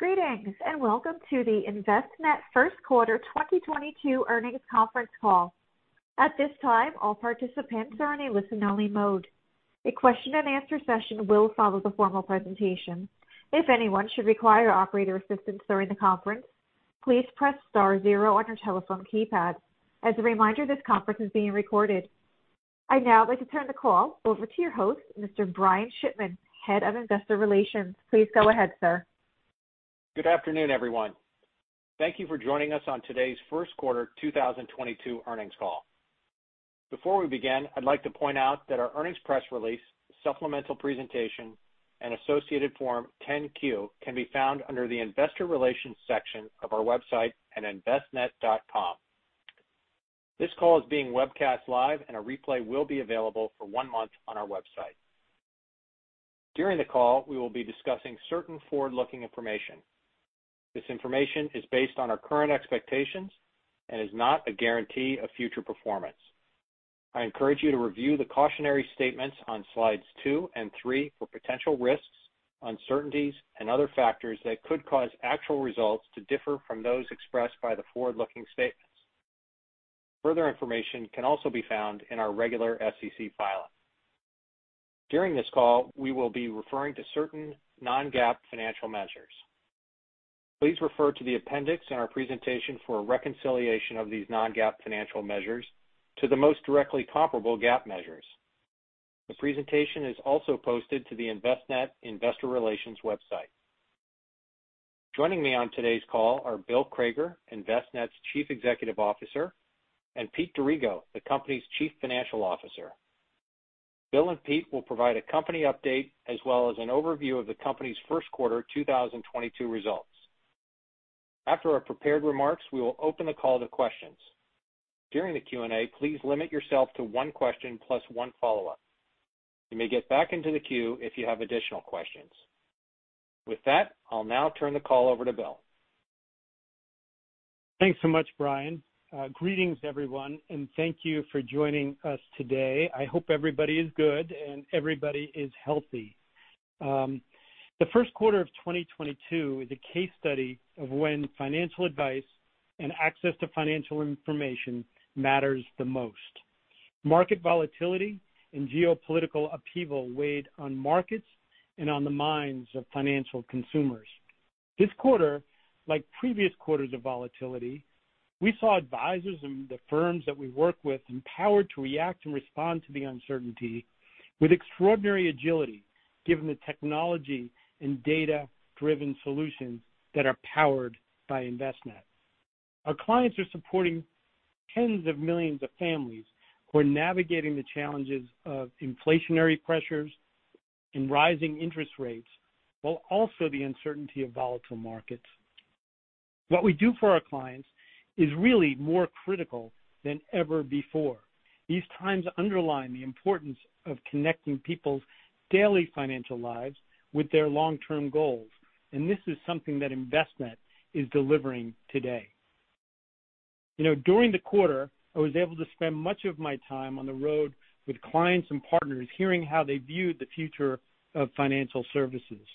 Greetings, and welcome to the Envestnet First Quarter 2022 Earnings Conference Call. At this time, all participants are in a listen only mode. A question and answer session will follow the formal presentation. If anyone should require operator assistance during the conference, please press star zero on your telephone keypad. As a reminder, this conference is being recorded. I'd now like to turn the call over to your host, Mr. Brian Shipman, Head of Investor Relations. Please go ahead, sir. Good afternoon, everyone. Thank you for joining us on today's First Quarter 2022 Earnings Call. Before we begin, I'd like to point out that our earnings press release, supplemental presentation, and associated form 10-Q can be found under the Investor Relations section of our website at envestnet.com. This call is being webcast live, and a replay will be available for one month on our website. During the call, we will be discussing certain forward-looking information. This information is based on our current expectations and is not a guarantee of future performance. I encourage you to review the cautionary statements on slides two and three for potential risks, uncertainties, and other factors that could cause actual results to differ from those expressed by the forward-looking statements. Further information can also be found in our regular SEC filing. During this call, we will be referring to certain non-GAAP financial measures. Please refer to the appendix in our presentation for a reconciliation of these non-GAAP financial measures to the most directly comparable GAAP measures. The presentation is also posted to the Envestnet Investor Relations website. Joining me on today's call are Bill Crager, Envestnet's Chief Executive Officer, and Pete D'Arrigo, the company's Chief Financial Officer. Bill and Pete will provide a company update as well as an overview of the company's first quarter 2022 results. After our prepared remarks, we will open the call to questions. During the Q&A please limit yourself to one question plus one follow-up. You may get back into the queue if you have additional questions. With that, I'll now turn the call over to Bill. Thanks so much, Brian. Greetings, everyone, and thank you for joining us today. I hope everybody is good and everybody is healthy. The first quarter of 2022 is a case study of when financial advice and access to financial information matters the most. Market volatility and geopolitical upheaval weighed on markets and on the minds of financial consumers. This quarter, like previous quarters of volatility, we saw advisors and the firms that we work with empowered to react and respond to the uncertainty with extraordinary agility, given the technology and data-driven solutions that are powered by Envestnet. Our clients are supporting tens of millions of families who are navigating the challenges of inflationary pressures and rising interest rates, while also the uncertainty of volatile markets. What we do for our clients is really more critical than ever before. These times underline the importance of connecting people's daily financial lives with their long-term goals, and this is something that Envestnet is delivering today. You know, during the quarter, I was able to spend much of my time on the road with clients and partners, hearing how they viewed the future of financial services.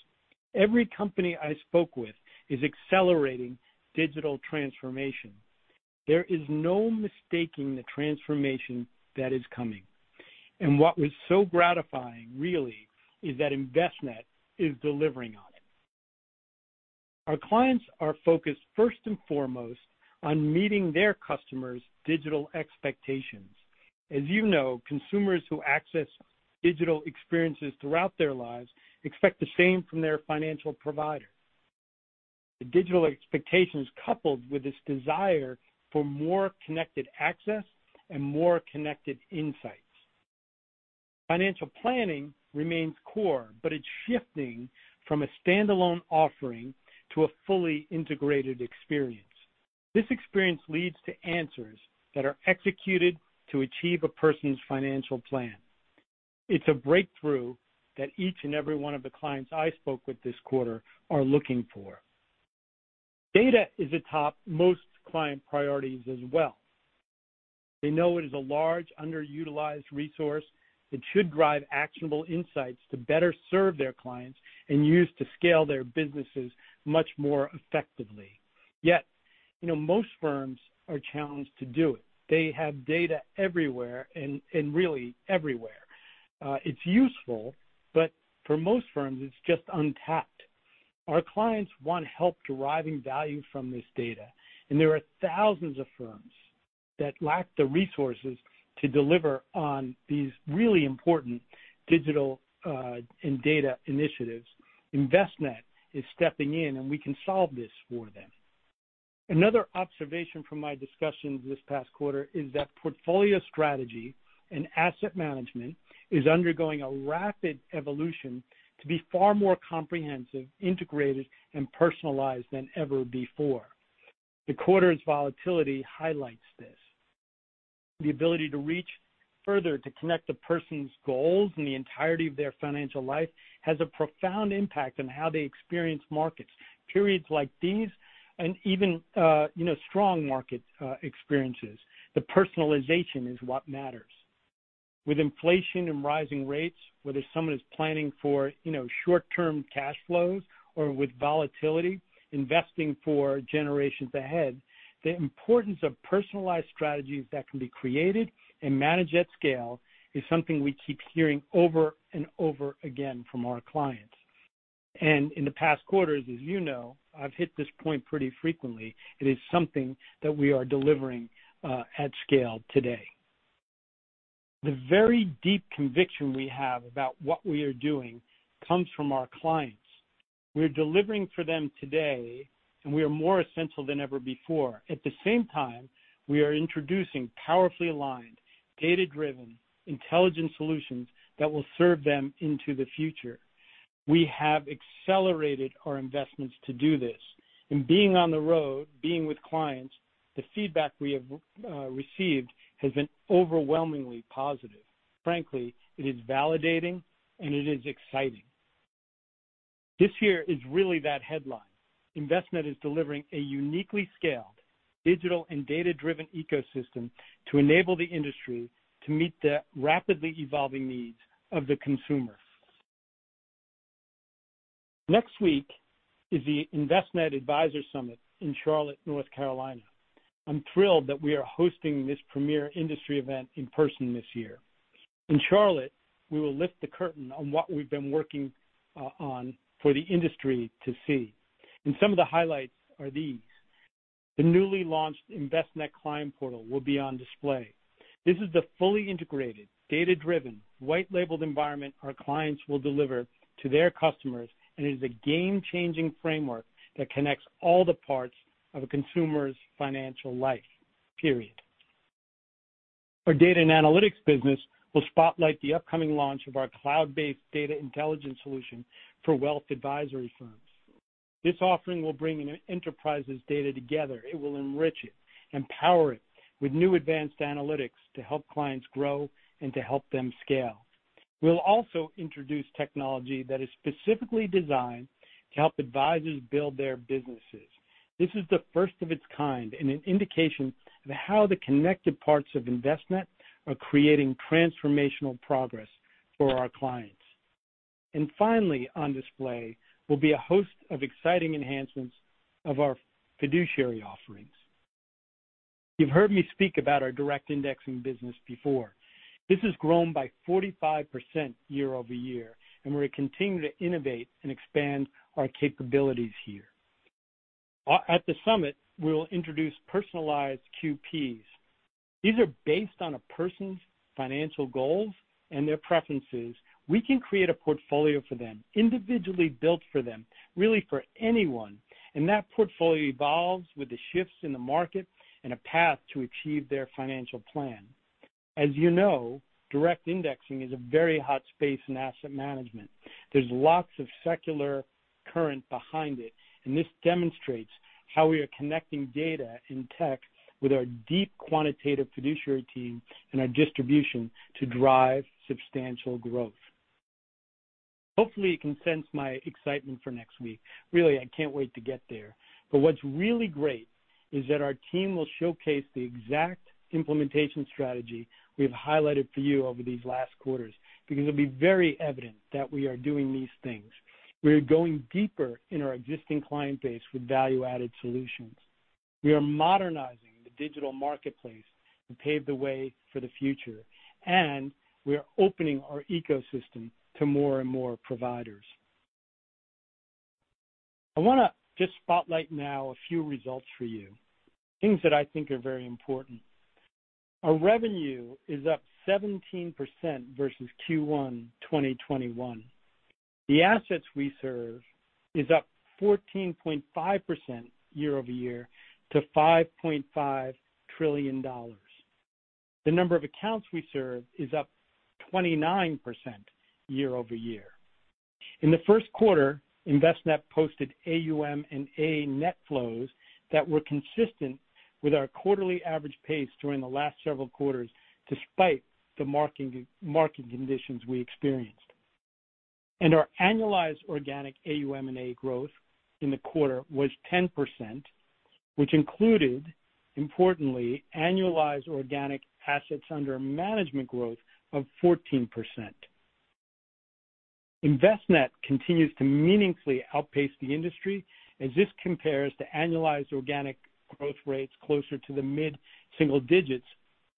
Every company I spoke with is accelerating digital transformation. There is no mistaking the transformation that is coming. What was so gratifying really is that Envestnet is delivering on it. Our clients are focused first and foremost on meeting their customers' digital expectations. As you know, consumers who access digital experiences throughout their lives expect the same from their financial provider. The digital expectations, coupled with this desire for more connected access and more connected insights. Financial planning remains core, but it's shifting from a standalone offering to a fully integrated experience. This experience leads to answers that are executed to achieve a person's financial plan. It's a breakthrough that each and every one of the clients I spoke with this quarter are looking for. Data is atop most client priorities as well. They know it is a large underutilized resource that should drive actionable insights to better serve their clients and use to scale their businesses much more effectively. Yet, you know, most firms are challenged to do it. They have data everywhere and really everywhere. It's useful, but for most firms it's just untapped. Our clients want help deriving value from this data, and there are thousands of firms that lack the resources to deliver on these really important digital and data initiatives. Envestnet is stepping in, and we can solve this for them. Another observation from my discussions this past quarter is that portfolio strategy and asset management is undergoing a rapid evolution to be far more comprehensive, integrated, and personalized than ever before. The quarter's volatility highlights this. The ability to reach further to connect a person's goals and the entirety of their financial life has a profound impact on how they experience markets, periods like these and even, you know, strong market, experiences. The personalization is what matters. With inflation and rising rates, whether someone is planning for, you know, short-term cash flows or with volatility, investing for generations ahead, the importance of personalized strategies that can be created and managed at scale is something we keep hearing over and over again from our clients. In the past quarters, as you know, I've hit this point pretty frequently. It is something that we are delivering, at scale today. The very deep conviction we have about what we are doing comes from our clients. We're delivering for them today, and we are more essential than ever before. At the same time, we are introducing powerfully aligned, data-driven intelligence solutions that will serve them into the future. We have accelerated our investments to do this. Being on the road, being with clients, the feedback we have received has been overwhelmingly positive. Frankly, it is validating, and it is exciting. This year is really that headline. Envestnet is delivering a uniquely scaled digital and data-driven ecosystem to enable the industry to meet the rapidly evolving needs of the consumer. Next week is the Envestnet Advisor Summit in Charlotte, North Carolina. I'm thrilled that we are hosting this premier industry event in person this year. In Charlotte, we will lift the curtain on what we've been working on for the industry to see. Some of the highlights are these. The newly launched Envestnet Client Portal will be on display. This is the fully integrated, data-driven, white-labeled environment our clients will deliver to their customers and is a game-changing framework that connects all the parts of a consumer's financial life, period. Our data and analytics business will spotlight the upcoming launch of our cloud-based data intelligence solution for wealth advisory firms. This offering will bring an enterprise's data together. It will enrich it and power it with new advanced analytics to help clients grow and to help them scale. We'll also introduce technology that is specifically designed to help advisors build their businesses. This is the first of its kind and an indication of how the connected parts of Envestnet are creating transformational progress for our clients. Finally, on display will be a host of exciting enhancements of our fiduciary offerings. You've heard me speak about our direct indexing business before. This has grown by 45% year-over-year, and we're continuing to innovate and expand our capabilities here. At the summit, we'll introduce personalized QPs. These are based on a person's financial goals and their preferences. We can create a portfolio for them, individually built for them, really for anyone, and that portfolio evolves with the shifts in the market and a path to achieve their financial plan. As you know, direct indexing is a very hot space in asset management. There's lots of secular current behind it, and this demonstrates how we are connecting data in tech with our deep quantitative fiduciary team and our distribution to drive substantial growth. Hopefully, you can sense my excitement for next week. Really, I can't wait to get there. What's really great is that our team will showcase the exact implementation strategy we have highlighted for you over these last quarters because it'll be very evident that we are doing these things. We are going deeper in our existing client base with value-added solutions. We are modernizing the digital marketplace to pave the way for the future, and we are opening our ecosystem to more and more providers. I wanna just spotlight now a few results for you, things that I think are very important. Our revenue is up 17% versus Q1 2021. The assets we serve is up 14.5% year-over-year to $5.5 trillion. The number of accounts we serve is up 29% year-over-year. In the first quarter, Envestnet posted AUM/A net flows that were consistent with our quarterly average pace during the last several quarters, despite the market conditions we experienced. Our annualized organic AUM/A growth in the quarter was 10%, which included, importantly, annualized organic assets under management growth of 14%. Envestnet continues to meaningfully outpace the industry as this compares to annualized organic growth rates closer to the mid-single digits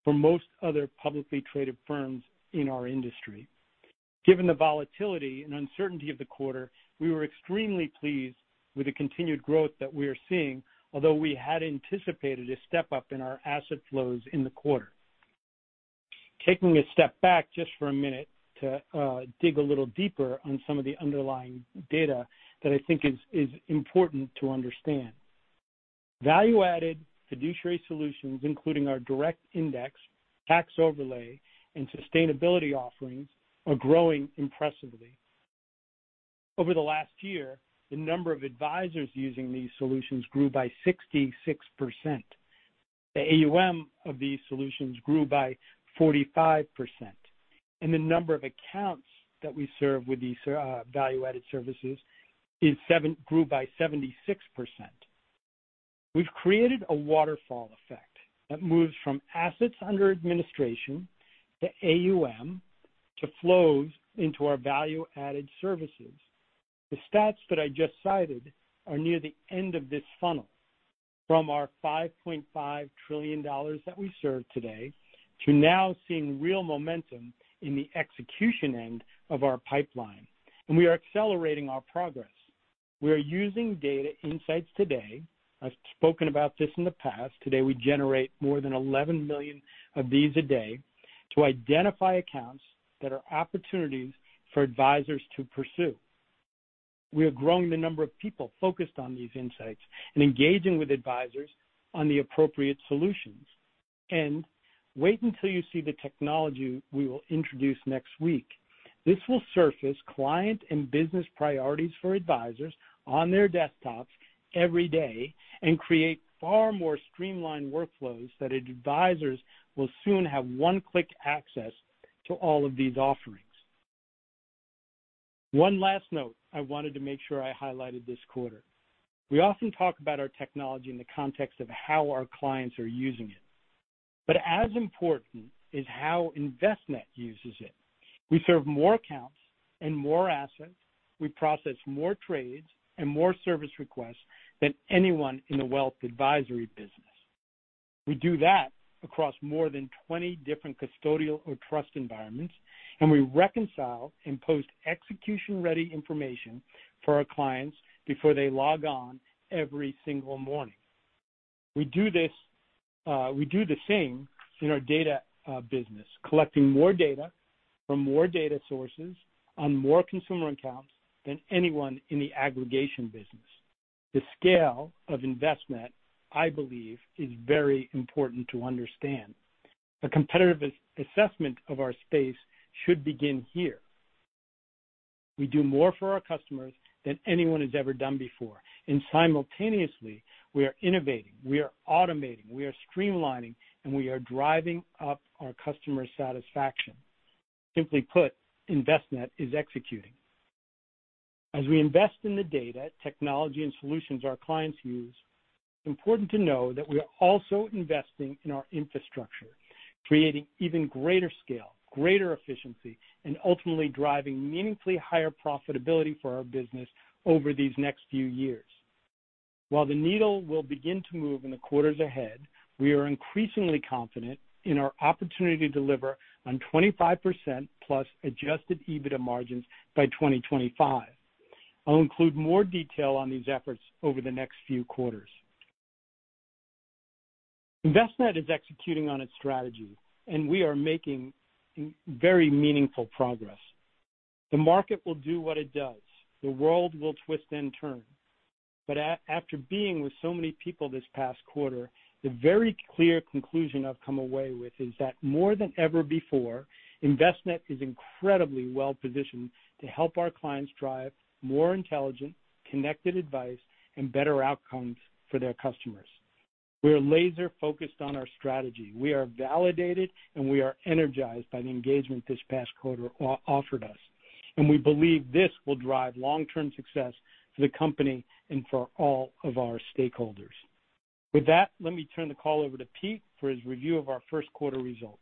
for most other publicly traded firms in our industry. Given the volatility and uncertainty of the quarter, we were extremely pleased with the continued growth that we are seeing, although we had anticipated a step-up in our asset flows in the quarter. Taking a step back just for a minute to dig a little deeper on some of the underlying data that I think is important to understand. Value-added fiduciary solutions, including our direct index, tax overlay, and sustainability offerings, are growing impressively. Over the last year, the number of advisors using these solutions grew by 66%. The AUM of these solutions grew by 45%, and the number of accounts that we serve with these value-added services grew by 76%. We've created a waterfall effect that moves from assets under administration to AUM to flows into our value-added services. The stats that I just cited are near the end of this funnel. From our $5.5 trillion that we serve today to now seeing real momentum in the execution end of our pipeline. We are accelerating our progress. We are using data insights today. I've spoken about this in the past. Today, we generate more than 11 million of these a day to identify accounts that are opportunities for advisors to pursue. We are growing the number of people focused on these insights and engaging with advisors on the appropriate solutions. Wait until you see the technology we will introduce next week. This will surface client and business priorities for advisors on their desktops every day and create far more streamlined workflows that advisors will soon have one-click access to all of these offerings. One last note I wanted to make sure I highlighted this quarter. We often talk about our technology in the context of how our clients are using it, but as important is how Envestnet uses it. We serve more accounts and more assets. We process more trades and more service requests than anyone in the wealth advisory business. We do that across more than 20 different custodial or trust environments, and we reconcile and post execution-ready information for our clients before they log on every single morning. We do this, we do the same in our data business, collecting more data from more data sources on more consumer accounts than anyone in the aggregation business. The scale of Envestnet, I believe, is very important to understand. The competitive assessment of our space should begin here. We do more for our customers than anyone has ever done before. Simultaneously, we are innovating, we are automating, we are streamlining, and we are driving up our customer satisfaction. Simply put, Envestnet is executing. As we invest in the data, technology, and solutions our clients use, it's important to know that we are also investing in our infrastructure, creating even greater scale, greater efficiency, and ultimately driving meaningfully higher profitability for our business over these next few years. While the needle will begin to move in the quarters ahead, we are increasingly confident in our opportunity to deliver on 25% plus Adjusted EBITDA margins by 2025. I'll include more detail on these efforts over the next few quarters. Envestnet is executing on its strategy, and we are making very meaningful progress. The market will do what it does. The world will twist and turn. After being with so many people this past quarter, the very clear conclusion I've come away with is that more than ever before, Envestnet is incredibly well-positioned to help our clients drive more intelligent, connected advice and better outcomes for their customers. We are laser-focused on our strategy. We are validated, and we are energized by the engagement this past quarter offered us, and we believe this will drive long-term success for the company and for all of our stakeholders. With that, let me turn the call over to Pete for his review of our first quarter results.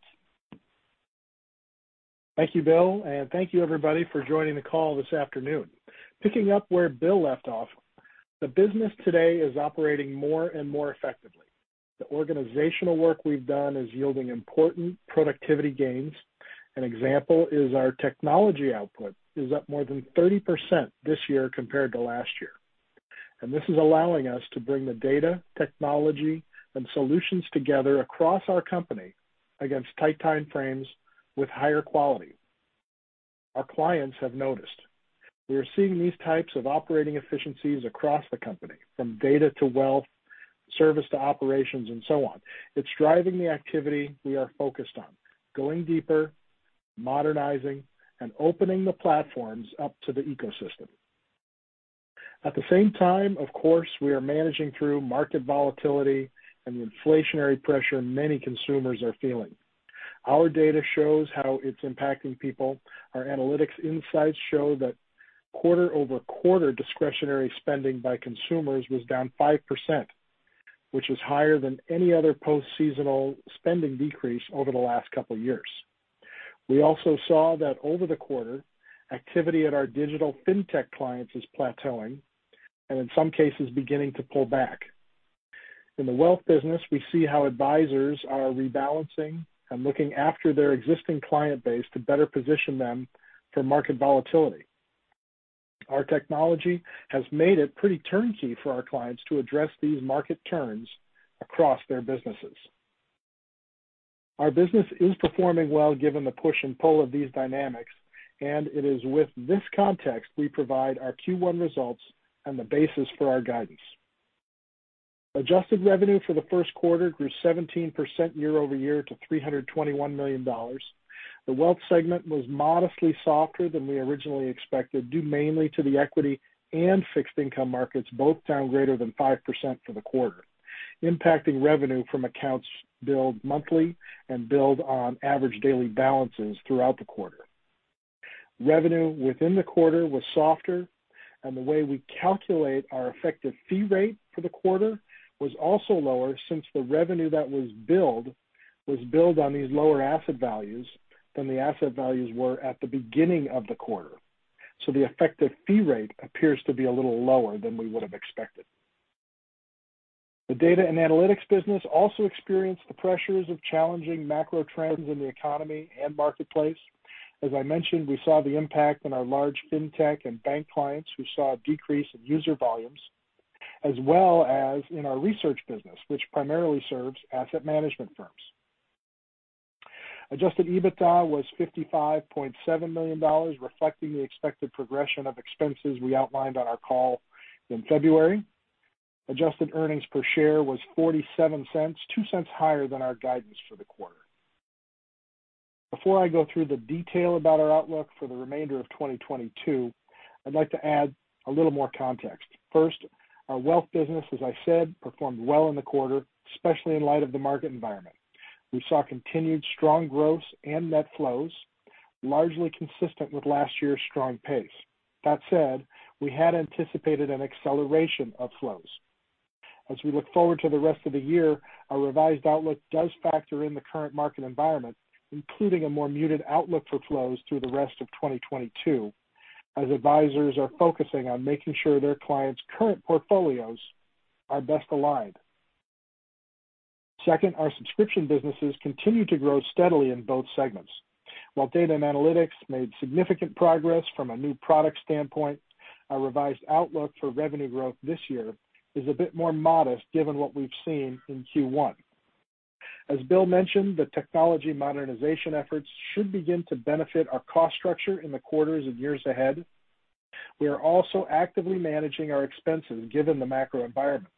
Thank you, Bill, and thank you everybody for joining the call this afternoon. Picking up where Bill left off, the business today is operating more and more effectively. The organizational work we've done is yielding important productivity gains. An example is our technology output is up more than 30% this year compared to last year. This is allowing us to bring the data, technology, and solutions together across our company against tight time frames with higher quality. Our clients have noticed. We are seeing these types of operating efficiencies across the company, from data to wealth, service to operations, and so on. It's driving the activity we are focused on, going deeper, modernizing, and opening the platforms up to the ecosystem. At the same time, of course, we are managing through market volatility and the inflationary pressure many consumers are feeling. Our data shows how it's impacting people. Our analytics insights show that quarter-over-quarter discretionary spending by consumers was down 5%, which is higher than any other post-seasonal spending decrease over the last couple of years. We also saw that over the quarter, activity at our digital fintech clients is plateauing, and in some cases, beginning to pull back. In the wealth business, we see how advisors are rebalancing and looking after their existing client base to better position them for market volatility. Our technology has made it pretty turnkey for our clients to address these market turns across their businesses. Our business is performing well given the push and pull of these dynamics, and it is with this context we provide our Q1 results and the basis for our guidance. Adjusted revenue for the first quarter grew 17% year-over-year to $321 million. The wealth segment was modestly softer than we originally expected, due mainly to the equity and fixed income markets both down greater than 5% for the quarter, impacting revenue from accounts billed monthly and billed on average daily balances throughout the quarter. Revenue within the quarter was softer, and the way we calculate our effective fee rate for the quarter was also lower since the revenue that was billed was billed on these lower asset values than the asset values were at the beginning of the quarter. The effective fee rate appears to be a little lower than we would have expected. The data and analytics business also experienced the pressures of challenging macro trends in the economy and marketplace. As I mentioned, we saw the impact on our large fintech and bank clients who saw a decrease in user volumes, as well as in our research business, which primarily serves asset management firms. Adjusted EBITDA was $55.7 million, reflecting the expected progression of expenses we outlined on our call in February. Adjusted earnings per share was $0.47, $0.02 higher than our guidance for the quarter. Before I go through the detail about our outlook for the remainder of 2022, I'd like to add a little more context. First, our wealth business, as I said, performed well in the quarter, especially in light of the market environment. We saw continued strong growth and net flows, largely consistent with last year's strong pace. That said, we had anticipated an acceleration of flows. As we look forward to the rest of the year, our revised outlook does factor in the current market environment, including a more muted outlook for flows through the rest of 2022 as advisors are focusing on making sure their clients' current portfolios are best aligned. Second, our subscription businesses continue to grow steadily in both segments. While data and analytics made significant progress from a new product standpoint, our revised outlook for revenue growth this year is a bit more modest given what we've seen in Q1. As Bill mentioned, the technology modernization efforts should begin to benefit our cost structure in the quarters and years ahead. We are also actively managing our expenses given the macro environment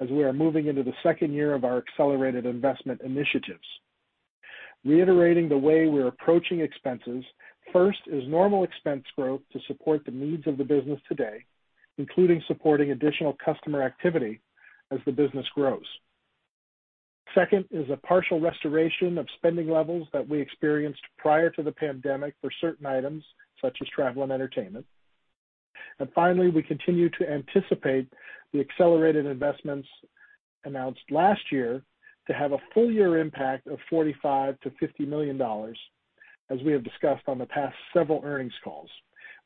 as we are moving into the second year of our accelerated investment initiatives. Reiterating the way we're approaching expenses, first is normal expense growth to support the needs of the business today, including supporting additional customer activity as the business grows. Second is a partial restoration of spending levels that we experienced prior to the pandemic for certain items such as travel and entertainment. Finally, we continue to anticipate the accelerated investments announced last year to have a full-year impact of $45 million-$50 million, as we have discussed on the past several earnings calls,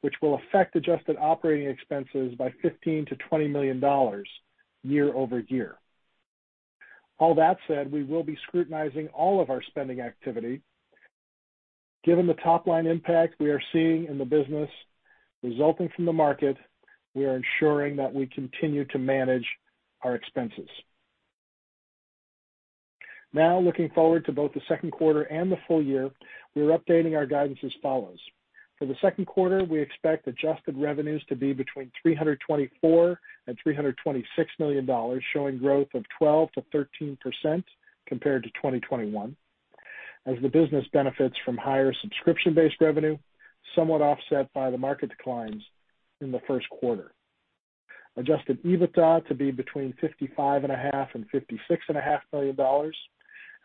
which will affect adjusted operating expenses by $15 million-$20 million year-over-year. All that said, we will be scrutinizing all of our spending activity. Given the top-line impact we are seeing in the business resulting from the market, we are ensuring that we continue to manage our expenses. Now, looking forward to both the second quarter and the full year, we're updating our guidance as follows. For the second quarter, we expect adjusted revenues to be between $324 million and $326 million, showing growth of 12%-13% compared to 2021 as the business benefits from higher subscription-based revenue, somewhat offset by the market declines in the first quarter. Adjusted EBITDA to be between $55.5 million and $56.5 million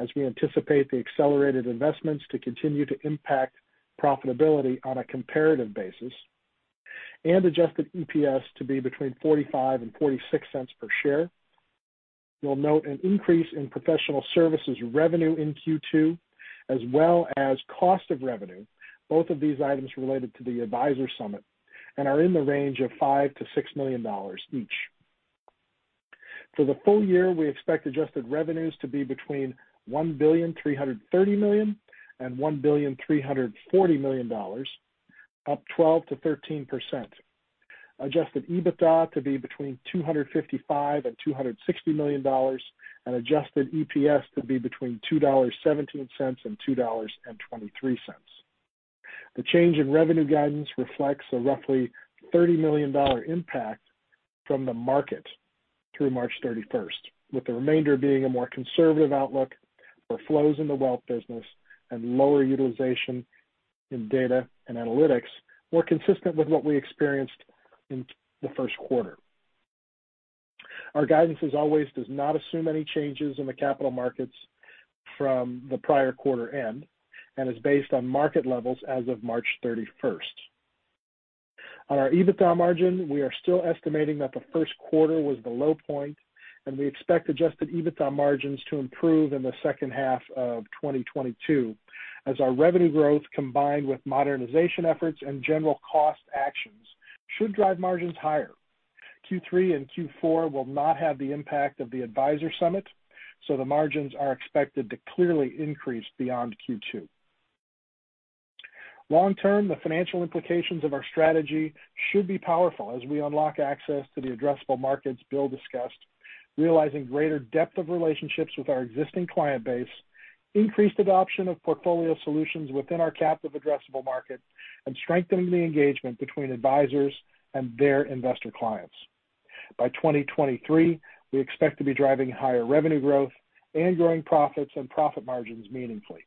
as we anticipate the accelerated investments to continue to impact profitability on a comparative basis. Adjusted EPS to be between $0.45 and $0.46 per share. You'll note an increase in professional services revenue in Q2 as well as cost of revenue, both of these items related to the Advisor Summit and are in the range of $5 million-$6 million each. For the full year, we expect adjusted revenues to be between $1.330 billion and $1.340 billion, up 12%-13%. Adjusted EBITDA to be between $255 million and $260 million and adjusted EPS to be between $2.17 and $2.23. The change in revenue guidance reflects a roughly $30 million dollar impact from the market through March 31st, with the remainder being a more conservative outlook for flows in the wealth business and lower utilization in data and analytics, more consistent with what we experienced in the first quarter. Our guidance, as always, does not assume any changes in the capital markets from the prior quarter end and is based on market levels as of March 31st. On our EBITDA margin, we are still estimating that the first quarter was the low point, and we expect adjusted EBITDA margins to improve in the second half of 2022 as our revenue growth combined with modernization efforts and general cost actions should drive margins higher. Q3 and Q4 will not have the impact of the Advisor Summit, so the margins are expected to clearly increase beyond Q2. Long term, the financial implications of our strategy should be powerful as we unlock access to the addressable markets Bill discussed, realizing greater depth of relationships with our existing client base, increased adoption of portfolio solutions within our captive addressable market, and strengthening the engagement between advisors and their investor clients. By 2023, we expect to be driving higher revenue growth and growing profits and profit margins meaningfully.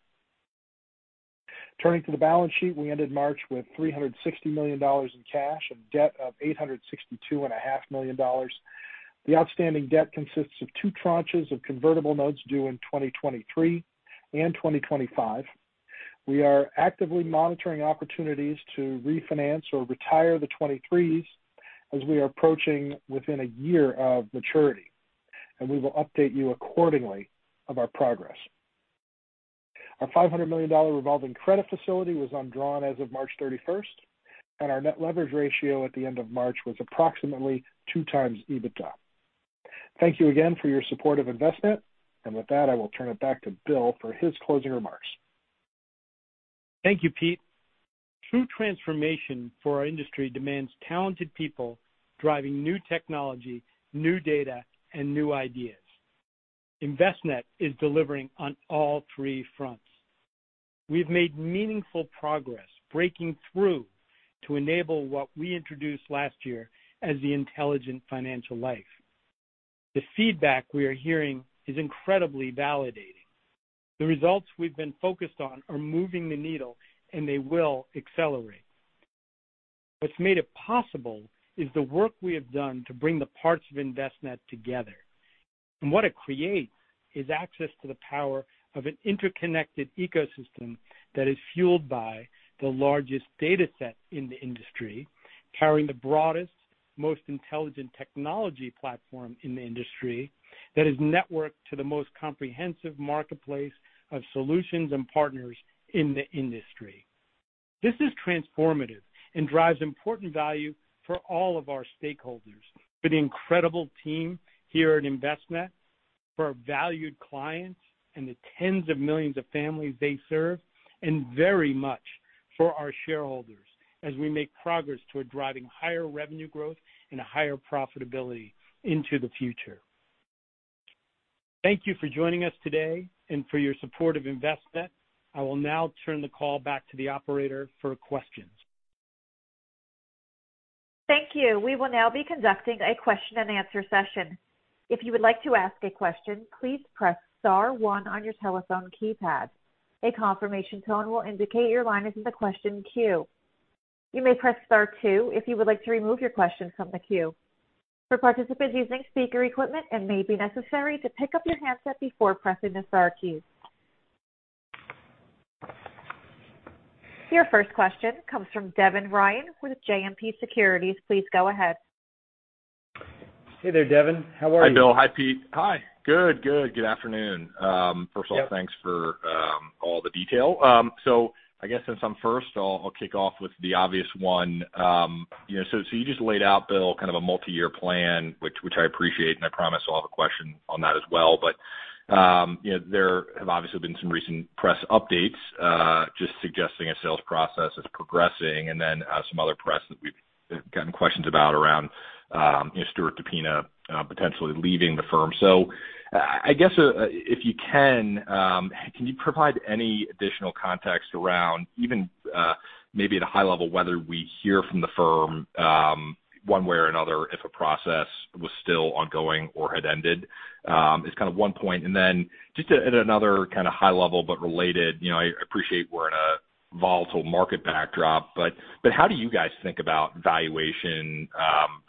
Turning to the balance sheet, we ended March with $360 million in cash, a debt of $862.5 million. The outstanding debt consists of two tranches of convertible notes due in 2023 and 2025. We are actively monitoring opportunities to refinance or retire the twenty-threes as we are approaching within a year of maturity, and we will update you accordingly of our progress. Our $500 million revolving credit facility was undrawn as of March 31st, and our net leverage ratio at the end of March was approximately 2x EBITDA. Thank you again for your support of Envestnet. With that, I will turn it back to Bill for his closing remarks. Thank you, Pete. True transformation for our industry demands talented people driving new technology, new data, and new ideas. Envestnet is delivering on all three fronts. We've made meaningful progress breaking through to enable what we introduced last year as the Intelligent Financial Life. The feedback we are hearing is incredibly validating. The results we've been focused on are moving the needle, and they will accelerate. What's made it possible is the work we have done to bring the parts of Envestnet together. What it creates is access to the power of an interconnected ecosystem that is fueled by the largest data set in the industry, carrying the broadest, most intelligent technology platform in the industry that is networked to the most comprehensive marketplace of solutions and partners in the industry. This is transformative and drives important value for all of our stakeholders, for the incredible team here at Envestnet, for our valued clients and the tens of millions of families they serve, and very much for our shareholders as we make progress toward driving higher revenue growth and a higher profitability into the future. Thank you for joining us today and for your support of Envestnet. I will now turn the call back to the operator for questions. Thank you. We will now be conducting a question-and-answer session. If you would like to ask a question, please press star one on your telephone keypad. A confirmation tone will indicate your line is in the question queue. You may press star two if you would like to remove your question from the queue. For participants using speaker equipment, it may be necessary to pick up your handset before pressing the star keys. Your first question comes from Devin Ryan with JMP Securities. Please go ahead. Hey there, Devin. How are you? Hi, Bill. Hi, Pete. Hi. Good, good. Good afternoon. First of all, thanks for all the detail. I guess since I'm first, I'll kick off with the obvious one. You know, you just laid out, Bill, kind of a multi-year plan, which I appreciate, and I promise I'll have a question on that as well. You know, there have obviously been some recent press updates just suggesting a sales process is progressing and then some other press that we've gotten questions about around you know, Stuart DePina potentially leaving the firm. I guess, can you provide any additional context around even maybe at a high level whether we hear from the firm one way or another if a process was still ongoing or had ended? is kind of one point. Then just at another kind of high level but related, you know, I appreciate we're in a volatile market backdrop, but how do you guys think about valuation,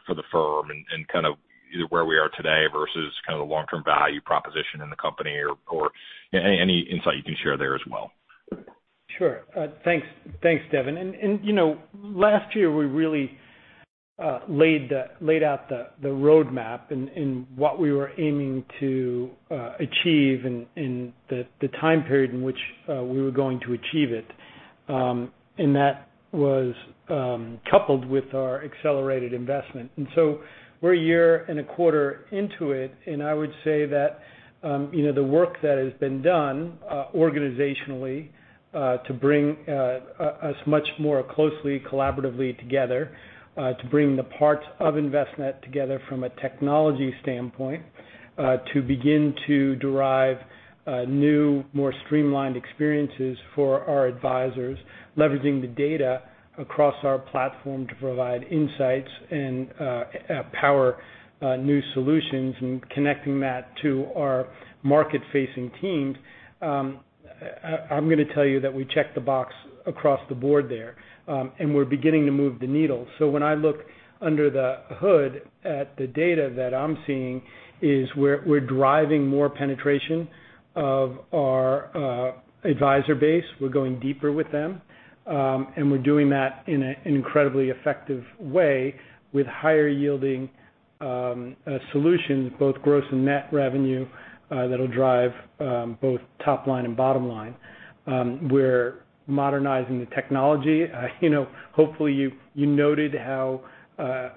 for the firm and kind of either where we are today versus kind of the long-term value proposition in the company or any insight you can share there as well? Sure. Thanks, Devin. You know, last year we really laid out the roadmap and what we were aiming to achieve and the time period in which we were going to achieve it. That was coupled with our accelerated investment. We're a year and a quarter into it, and I would say that you know, the work that has been done organizationally to bring us much more closely collaboratively together to bring the parts of Envestnet together from a technology standpoint to begin to derive new, more streamlined experiences for our advisors, leveraging the data across our platform to provide insights and power new solutions and connecting that to our market-facing teams. I'm going to tell you that we checked the box across the board there, and we're beginning to move the needle. When I look under the hood at the data that I'm seeing is we're driving more penetration of our advisor base. We're going deeper with them, and we're doing that in an incredibly effective way with higher yielding solutions, both gross and net revenue, that'll drive both top line and bottom line. We're modernizing the technology. You know, hopefully you noted how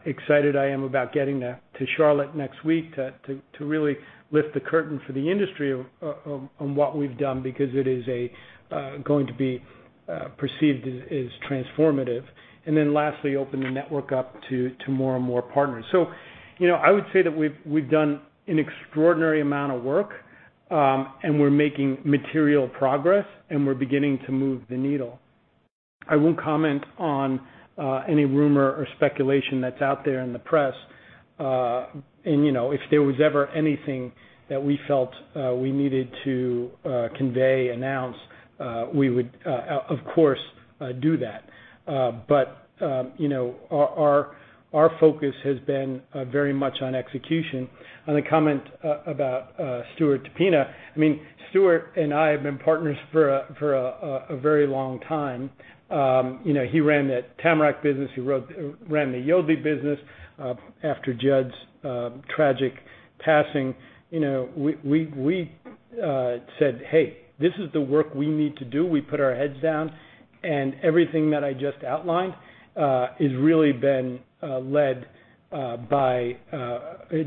excited I am about getting to Charlotte next week to really lift the curtain for the industry on what we've done because it is a going to be perceived as transformative. Then lastly, open the network up to more and more partners. You know, I would say that we've done an extraordinary amount of work, and we're making material progress, and we're beginning to move the needle. I won't comment on any rumor or speculation that's out there in the press. You know, if there was ever anything that we felt we needed to convey, announce, we would, of course, do that. You know, our focus has been very much on execution. On the comment about Stuart DePina, I mean, Stuart and I have been partners for a very long time. You know, he ran that Tamarac business. He ran the Yodlee business after Judd's tragic passing. You know, we said, "Hey, this is the work we need to do." We put our heads down, and everything that I just outlined has really been led by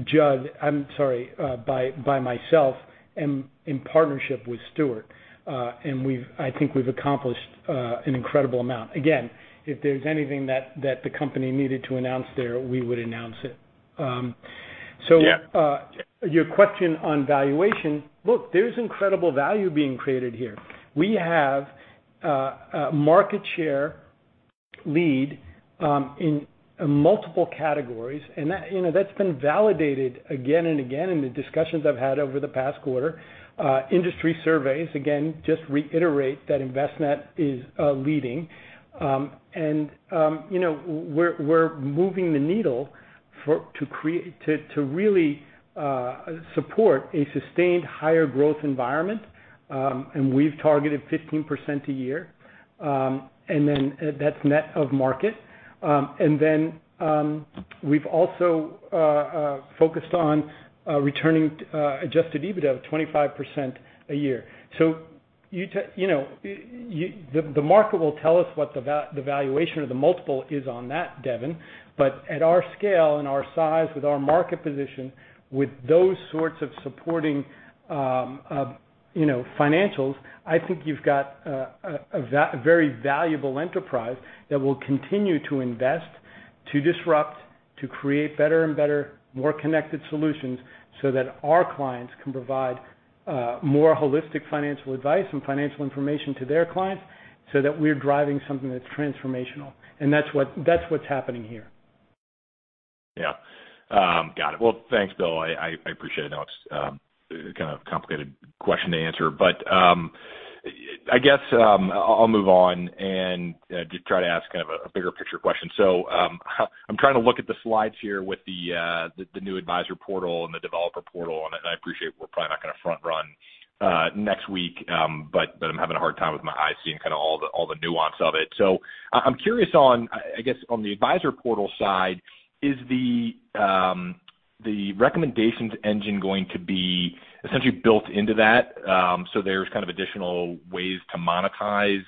Judd. I'm sorry, by myself in partnership with Stuart. I think we've accomplished an incredible amount. Again, if there's anything that the company needed to announce there, we would announce it. Yeah. Your question on valuation, look, there's incredible value being created here. We have market share lead in multiple categories, and that, you know, that's been validated again and again in the discussions I've had over the past quarter. Industry surveys, again, just reiterate that Envestnet is leading. You know, we're moving the needle to really support a sustained higher growth environment, and we've targeted 15% a year, and then that's net of market. We've also focused on returning Adjusted EBITDA of 25% a year. You know, the market will tell us what the valuation or the multiple is on that, Devin. At our scale and our size with our market position, with those sorts of supporting, you know, financials, I think you've got a very valuable enterprise that will continue to invest, to disrupt, to create better and better, more connected solutions so that our clients can provide more holistic financial advice and financial information to their clients so that we're driving something that's transformational. That's what's happening here. Yeah. Got it. Well, thanks, Bill. I appreciate it. I know it's kind of a complicated question to answer, but I guess I'll move on and try to ask kind of a bigger picture question. I'm trying to look at the slides here with the new advisor portal and the developer portal, and I appreciate we're probably not gonna front run next week, but I'm having a hard time with my eyes seeing kinda all the nuance of it. I'm curious on the advisor portal side, I guess, is the recommendations engine going to be essentially built into that, so there's kind of additional ways to monetize,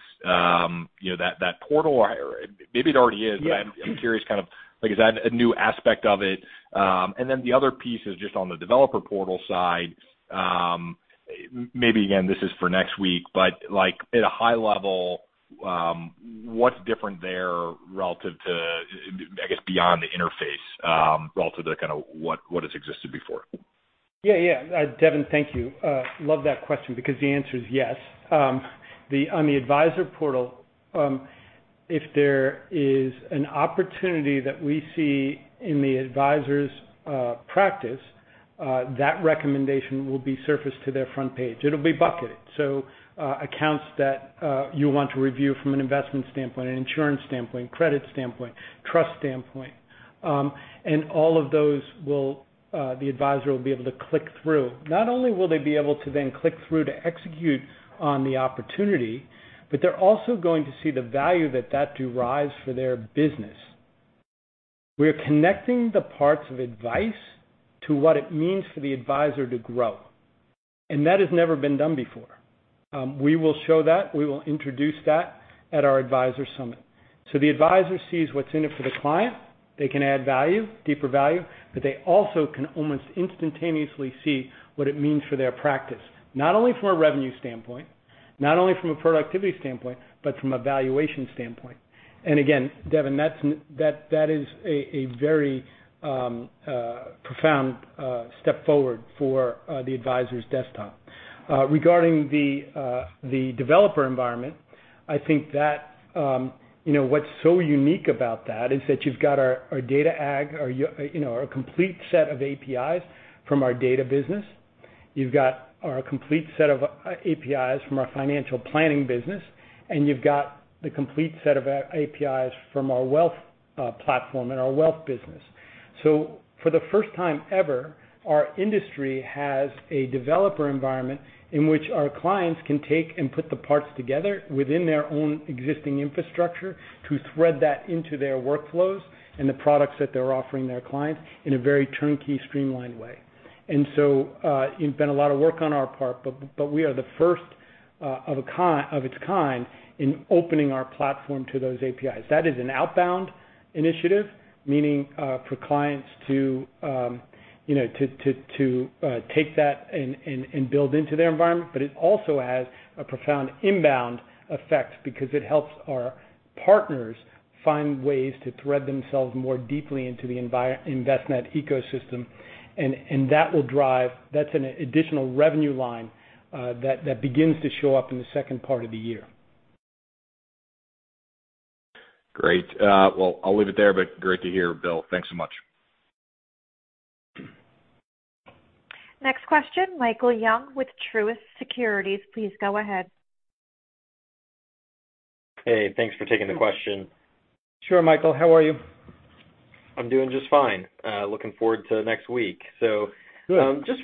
you know, that portal? Or maybe it already is. Yeah. I'm curious kind of like is that a new aspect of it? The other piece is just on the developer portal side, maybe again this is for next week, but like at a high level, what's different there relative to I guess beyond the interface, relative to kinda what has existed before? Yeah, yeah. Devin, thank you. Love that question because the answer is yes. On the advisor portal, if there is an opportunity that we see in the advisor's practice, that recommendation will be surfaced to their front page. It'll be bucketed. Accounts that you'll want to review from an investment standpoint, an insurance standpoint, credit standpoint, trust standpoint, and all of those, the advisor will be able to click through. Not only will they be able to then click through to execute on the opportunity, but they're also going to see the value that that derives for their business. We're connecting the parts of advice to what it means for the advisor to grow. That has never been done before. We will show that. We will introduce that at our advisor summit. The advisor sees what's in it for the client. They can add value, deeper value, but they also can almost instantaneously see what it means for their practice, not only from a revenue standpoint, not only from a productivity standpoint, but from a valuation standpoint. Again, Devin, that is a very profound step forward for the advisor's desktop. Regarding the developer environment, I think that you know, what's so unique about that is that you've got our data aggregation, our Yodlee, you know, our complete set of APIs from our data business. You've got our complete set of APIs from our financial planning business, and you've got the complete set of APIs from our wealth platform and our wealth business. For the first time ever, our industry has a developer environment in which our clients can take and put the parts together within their own existing infrastructure to thread that into their workflows and the products that they're offering their clients in a very turnkey, streamlined way. It's been a lot of work on our part, but we are the first of its kind in opening our platform to those APIs. That is an outbound initiative, meaning, for clients to, you know, to take that and build into their environment. It also has a profound inbound effect because it helps our partners find ways to thread themselves more deeply into the Envestnet ecosystem, and that's an additional revenue line that begins to show up in the second part of the year. Great. Well, I'll leave it there, but great to hear, Bill. Thanks so much. Next question, Michael Young with Truist Securities, please go ahead. Hey, thanks for taking the question. Sure, Michael. How are you? I'm doing just fine. Looking forward to next week. Good. Just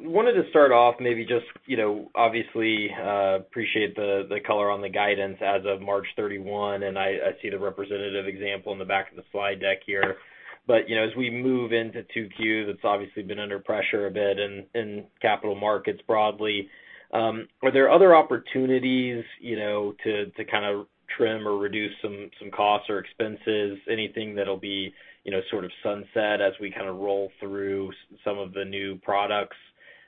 wanted to start off maybe just, you know, obviously, appreciate the color on the guidance as of March 31, and I see the representative example in the back of the slide deck here. You know, as we move into 2Q, that's obviously been under pressure a bit in capital markets broadly, are there other opportunities, you know, to kinda trim or reduce some costs or expenses, anything that'll be, you know, sort of sunset as we kinda roll through some of the new products,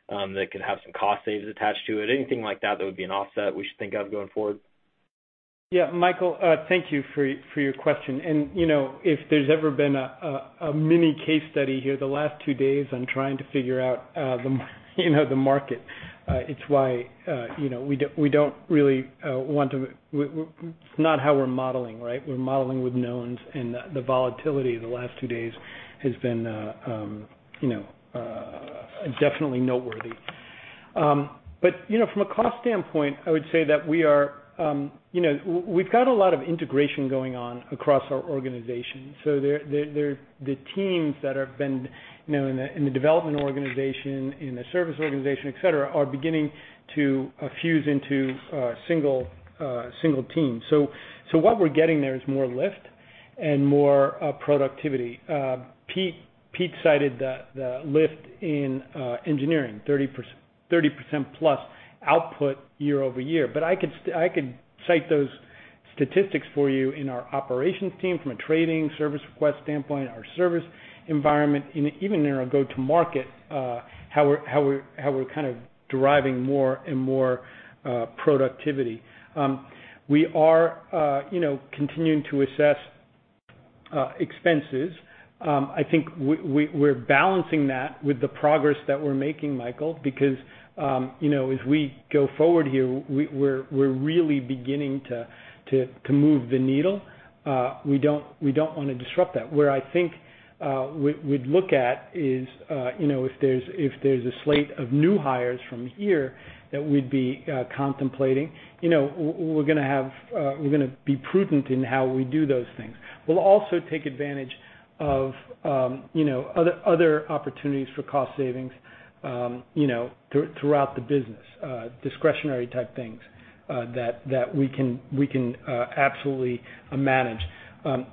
that can have some cost savings attached to it? Anything like that would be an offset we should think of going forward? Yeah. Michael, thank you for your question. You know, if there's ever been a mini case study here the last two days on trying to figure out the market, it's why you know, we don't really want to. It's not how we're modeling, right? We're modeling with knowns, and the volatility of the last two days has been you know, definitely noteworthy. You know, from a cost standpoint, I would say that we are you know. We've got a lot of integration going on across our organization. The teams that have been you know, in the development organization, in the service organization, et cetera, are beginning to fuse into single team. What we're getting there is more lift and more productivity. Pete cited the lift in engineering, 30% plus output year-over-year. I could cite those statistics for you in our operations team from a trading service request standpoint, our service environment, and even in our go-to-market, how we're kind of deriving more and more productivity. We are, you know, continuing to assess expenses. I think we're balancing that with the progress that we're making, Michael, because, you know, as we go forward here, we're really beginning to move the needle. We don't wanna disrupt that. Where I think we'd look at is you know if there's a slate of new hires from here that we'd be contemplating you know we're gonna be prudent in how we do those things. We'll also take advantage of you know other opportunities for cost savings you know throughout the business discretionary type things that we can absolutely manage.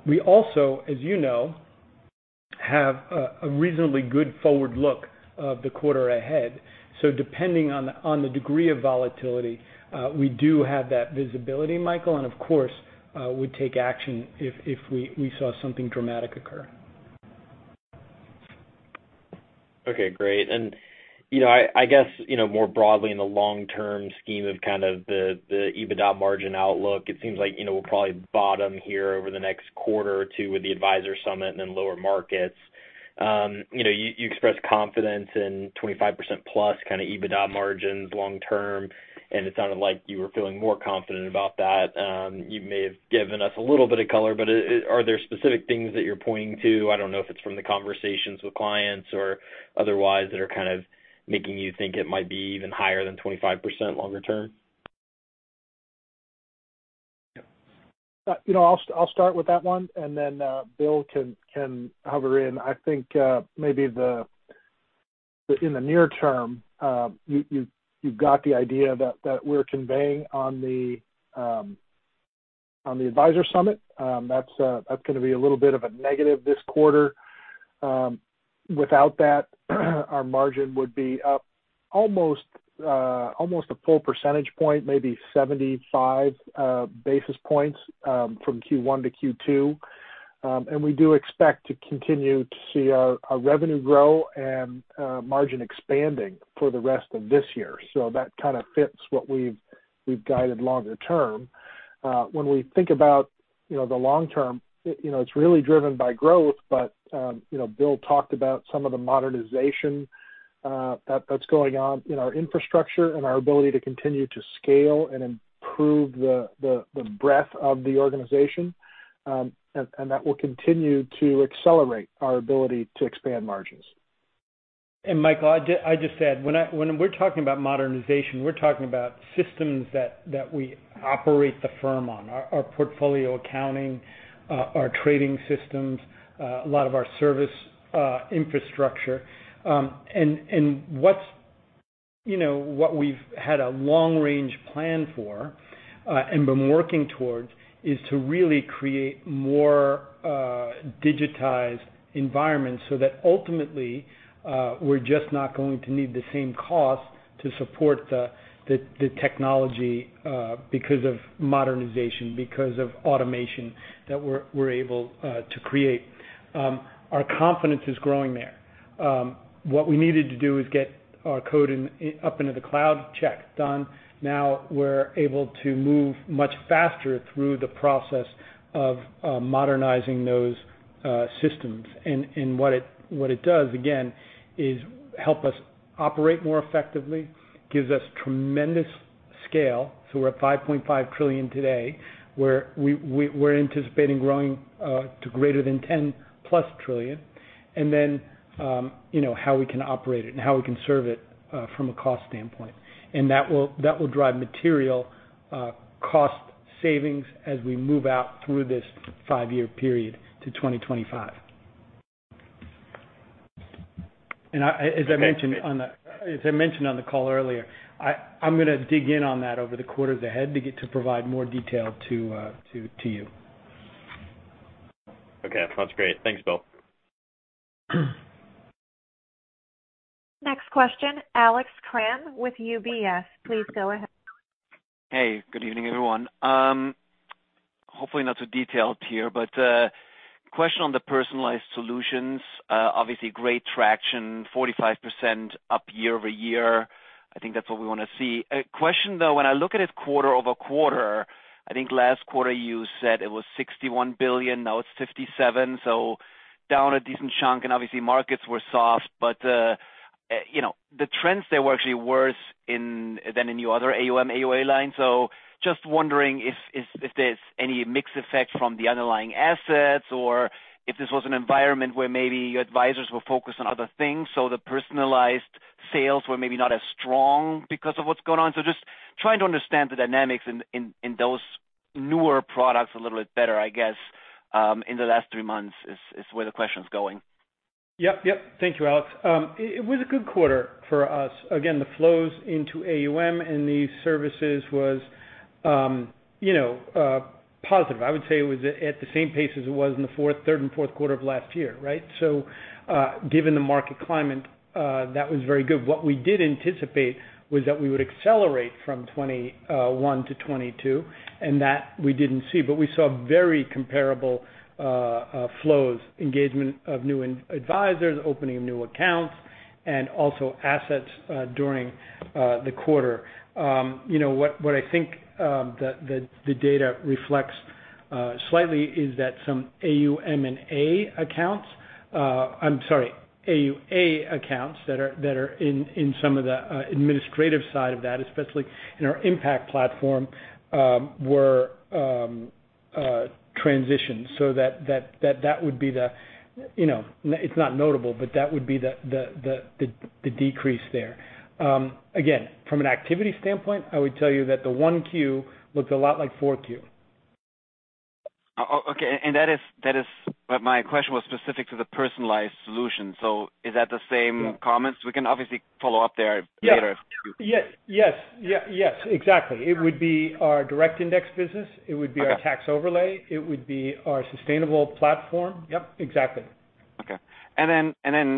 We also as you know have a reasonably good forward look of the quarter ahead. Depending on the degree of volatility we do have that visibility Michael and of course we take action if we saw something dramatic occur. Okay, great. You know, I guess, you know, more broadly in the long-term scheme of kind of the EBITDA margin outlook, it seems like, you know, we'll probably bottom here over the next quarter or two with the advisor summit and then lower markets. You know, you expressed confidence in 25%+ kind of EBITDA margins long term, and it sounded like you were feeling more confident about that. You may have given us a little bit of color, but are there specific things that you're pointing to? I don't know if it's from the conversations with clients or otherwise that are kind of making you think it might be even higher than 25% longer term? You know, I'll start with that one and then Bill can chime in. I think maybe in the near term, you've got the idea that we're conveying on the Advisor Summit. That's gonna be a little bit of a negative this quarter. Without that, our margin would be up almost a full percentage point, maybe 75 basis points, from Q1 to Q2. We do expect to continue to see our revenue grow and margin expanding for the rest of this year. That kinda fits what we've guided longer term. When we think about, you know, the long term, you know, it's really driven by growth, but, you know, Bill talked about some of the modernization that's going on in our infrastructure and our ability to continue to scale and improve the breadth of the organization. That will continue to accelerate our ability to expand margins. Michael, I just add, when we're talking about modernization, we're talking about systems that we operate the firm on. Our portfolio accounting, our trading systems, a lot of our service infrastructure. What we've had a long-range plan for and been working towards is to really create more digitized environments so that ultimately we're just not going to need the same cost to support the technology because of modernization, because of automation that we're able to create. Our confidence is growing there. What we needed to do is get our code up into the cloud, check, done. Now we're able to move much faster through the process of modernizing those systems. What it does, again, is help us operate more effectively, gives us tremendous scale. We're at $5.5 trillion today, where we're anticipating growing to greater than $10+ trillion. You know, how we can operate it and how we can serve it from a cost standpoint. That will drive material cost savings as we move out through this five-year period to 2025. As I mentioned on the call earlier, I'm gonna dig in on that over the quarters ahead to get to provide more detail to you. Okay. That's great. Thanks, Bill. Next question, Alex Kramm with UBS, please go ahead. Hey, good evening, everyone. Hopefully not too detailed here, question on the personalized solutions. Obviously great traction, 45% up year-over-year. I think that's what we wanna see. A question, though, when I look at it quarter-over-quarter, I think last quarter you said it was $61 billion, now it's $57 billion, down a decent chunk and obviously markets were soft. You know, the trends there were actually worse than in your other AUM/AUA line. Just wondering if there's any mix effect from the underlying assets or if this was an environment where maybe your advisors were focused on other things, the personalized sales were maybe not as strong because of what's going on. Just trying to understand the dynamics in those newer products a little bit better, I guess, in the last three months is where the question's going. Yep. Thank you, Alex. It was a good quarter for us. Again, the flows into AUM and the services was, you know, positive. I would say it was at the same pace as it was in the third and fourth quarter of last year, right? Given the market climate, that was very good. What we did anticipate was that we would accelerate from 2021 to 2022, and that we didn't see. We saw very comparable flows, engagement of new advisors, opening of new accounts and also assets during the quarter. You know what I think, the data reflects slightly is that some AUM and AUA accounts that are in some of the administrative side of that, especially in our Impact Platform, were transitioned. That would be the, you know, it's not notable, but that would be the decrease there. Again, from an activity standpoint, I would tell you that the 1Q looked a lot like 4Q. Oh, okay. That is. My question was specific to the personalized solution. Is that the same comments? We can obviously follow up there later if. Yes, exactly. It would be our direct indexing business. Okay. It would be our tax overlay. It would be our Sustainable Platform. Yep, exactly. Okay. We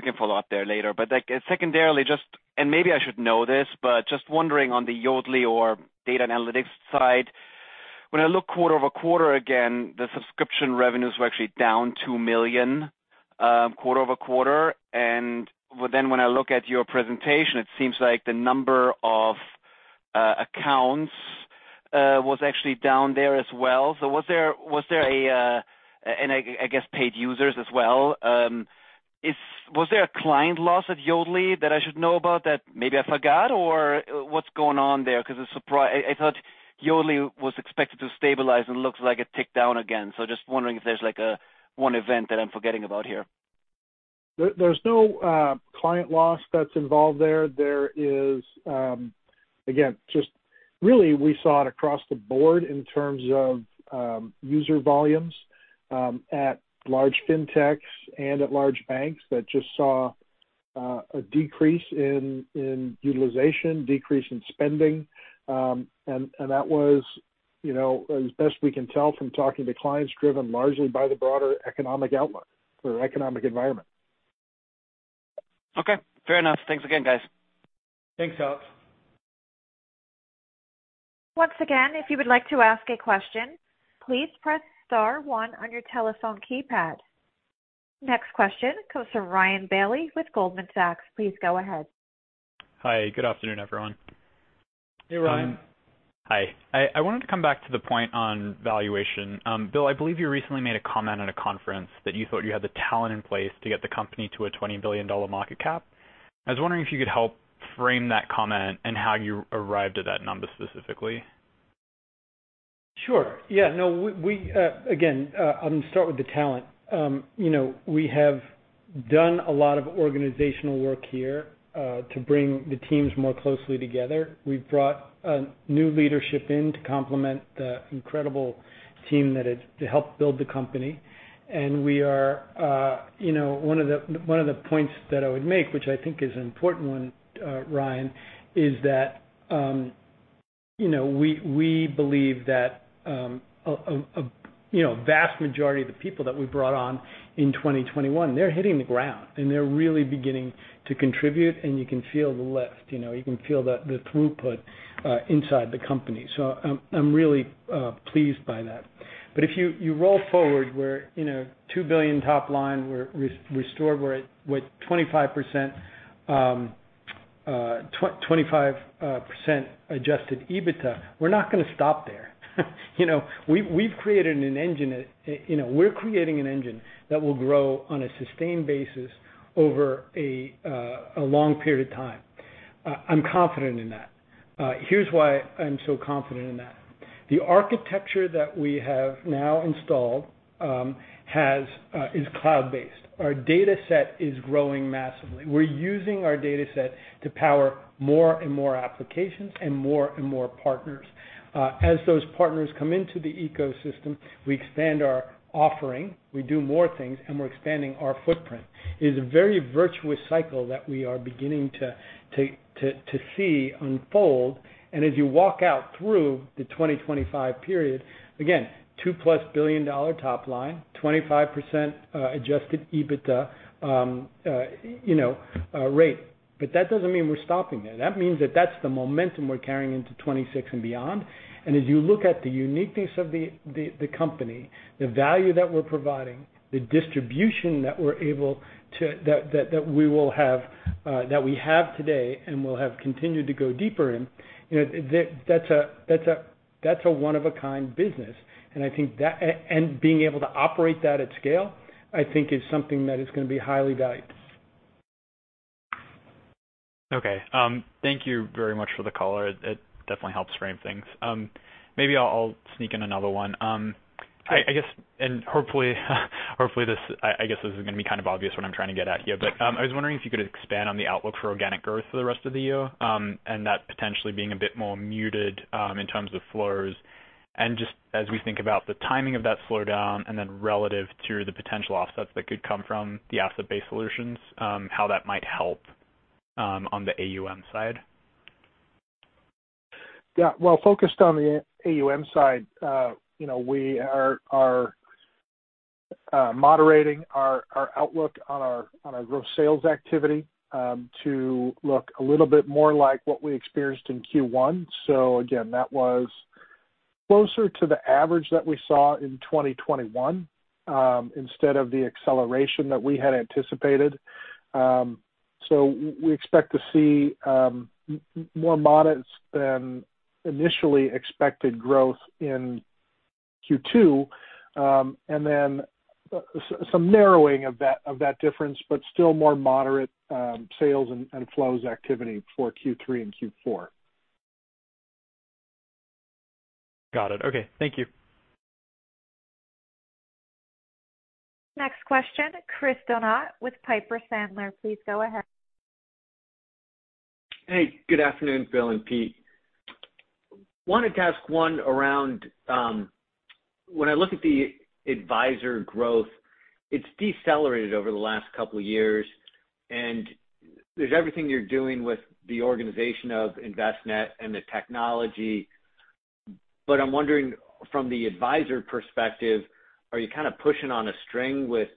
can follow up there later. Like secondarily, just maybe I should know this, but just wondering on the Yodlee or data analytics side, when I look quarter-over-quarter, again, the subscription revenues were actually down $2 million quarter-over-quarter. And then when I look at your presentation, it seems like the number of accounts was actually down there as well. Was there a, and I guess paid users as well. Was there a client loss at Yodlee that I should know about that maybe I forgot or what's going on there? Cause I thought Yodlee was expected to stabilize and it looks like it ticked down again. Just wondering if there's like one event that I'm forgetting about here. There's no client loss that's involved there. There is again just really we saw it across the board in terms of user volumes at large fintechs and at large banks that just saw a decrease in utilization, decrease in spending. That was, you know, as best we can tell from talking to clients, driven largely by the broader economic outlook or economic environment. Okay, fair enough. Thanks again, guys. Thanks, Alex. Once again, if you would like to ask a question, please press star one on your telephone keypad. Next question comes from Ryan Bailey with Goldman Sachs. Please go ahead. Hi. Good afternoon, everyone. Hey, Ryan. Hi. I wanted to come back to the point on valuation. Bill, I believe you recently made a comment at a conference that you thought you had the talent in place to get the company to a $20 billion market cap. I was wondering if you could help frame that comment and how you arrived at that number specifically? Sure. Yeah. No, we again, I'm gonna start with the talent. You know, we have done a lot of organizational work here to bring the teams more closely together. We've brought new leadership in to complement the incredible team that had to help build the company. We are, you know, one of the points that I would make, which I think is an important one, Ryan, is that, you know, we believe that a, you know, vast majority of the people that we brought on in 2021, they're hitting the ground and they're really beginning to contribute, and you can feel the lift. You know, you can feel the throughput inside the company. I'm really pleased by that. But if you roll forward, we're in a $2 billion top line. We're restoring with 25% Adjusted EBITDA. We're not gonna stop there. You know, we've created an engine, you know, we're creating an engine that will grow on a sustained basis over a long period of time. I'm confident in that. Here's why I'm so confident in that. The architecture that we have now installed is cloud-based. Our dataset is growing massively. We're using our dataset to power more and more applications and more and more partners. As those partners come into the ecosystem, we expand our offering, we do more things, and we're expanding our footprint. It is a very virtuous cycle that we are beginning to see unfold. As you walk out through the 2025 period, again, $2+ billion top line, 25%, Adjusted EBITDA, you know, rate. But that doesn't mean we're stopping there. That means that that's the momentum we're carrying into 2026 and beyond. As you look at the uniqueness of the company, the value that we're providing, the distribution that we have today and will have continued to go deeper in, you know, that's a one-of-a-kind business. I think that being able to operate that at scale, I think is something that is gonna be highly valued. Okay. Thank you very much for the color. It definitely helps frame things. Maybe I'll sneak in another one. Sure. I guess this is gonna be kind of obvious what I'm trying to get at here. I was wondering if you could expand on the outlook for organic growth for the rest of the year, and that potentially being a bit more muted, in terms of flows. Just as we think about the timing of that slowdown and then relative to the potential offsets that could come from the asset-based solutions, how that might help, on the AUM side. Yeah. Well, focused on the AUM/A side, you know, we are moderating our outlook on our growth sales activity to look a little bit more like what we experienced in Q1. Again, that was closer to the average that we saw in 2021, instead of the acceleration that we had anticipated. We expect to see more modest than initially expected growth in Q2, and then some narrowing of that difference, but still more moderate sales and flows activity for Q3 and Q4. Got it. Okay. Thank you. Next question, Chris Donat with Piper Sandler. Please go ahead. Hey. Good afternoon, Bill and Pete. Wanted to ask one around, when I look at the advisor growth, it's decelerated over the last couple years, and there's everything you're doing with the organization of Envestnet and the technology. I'm wondering, from the advisor perspective, are you kind of pushing on a string with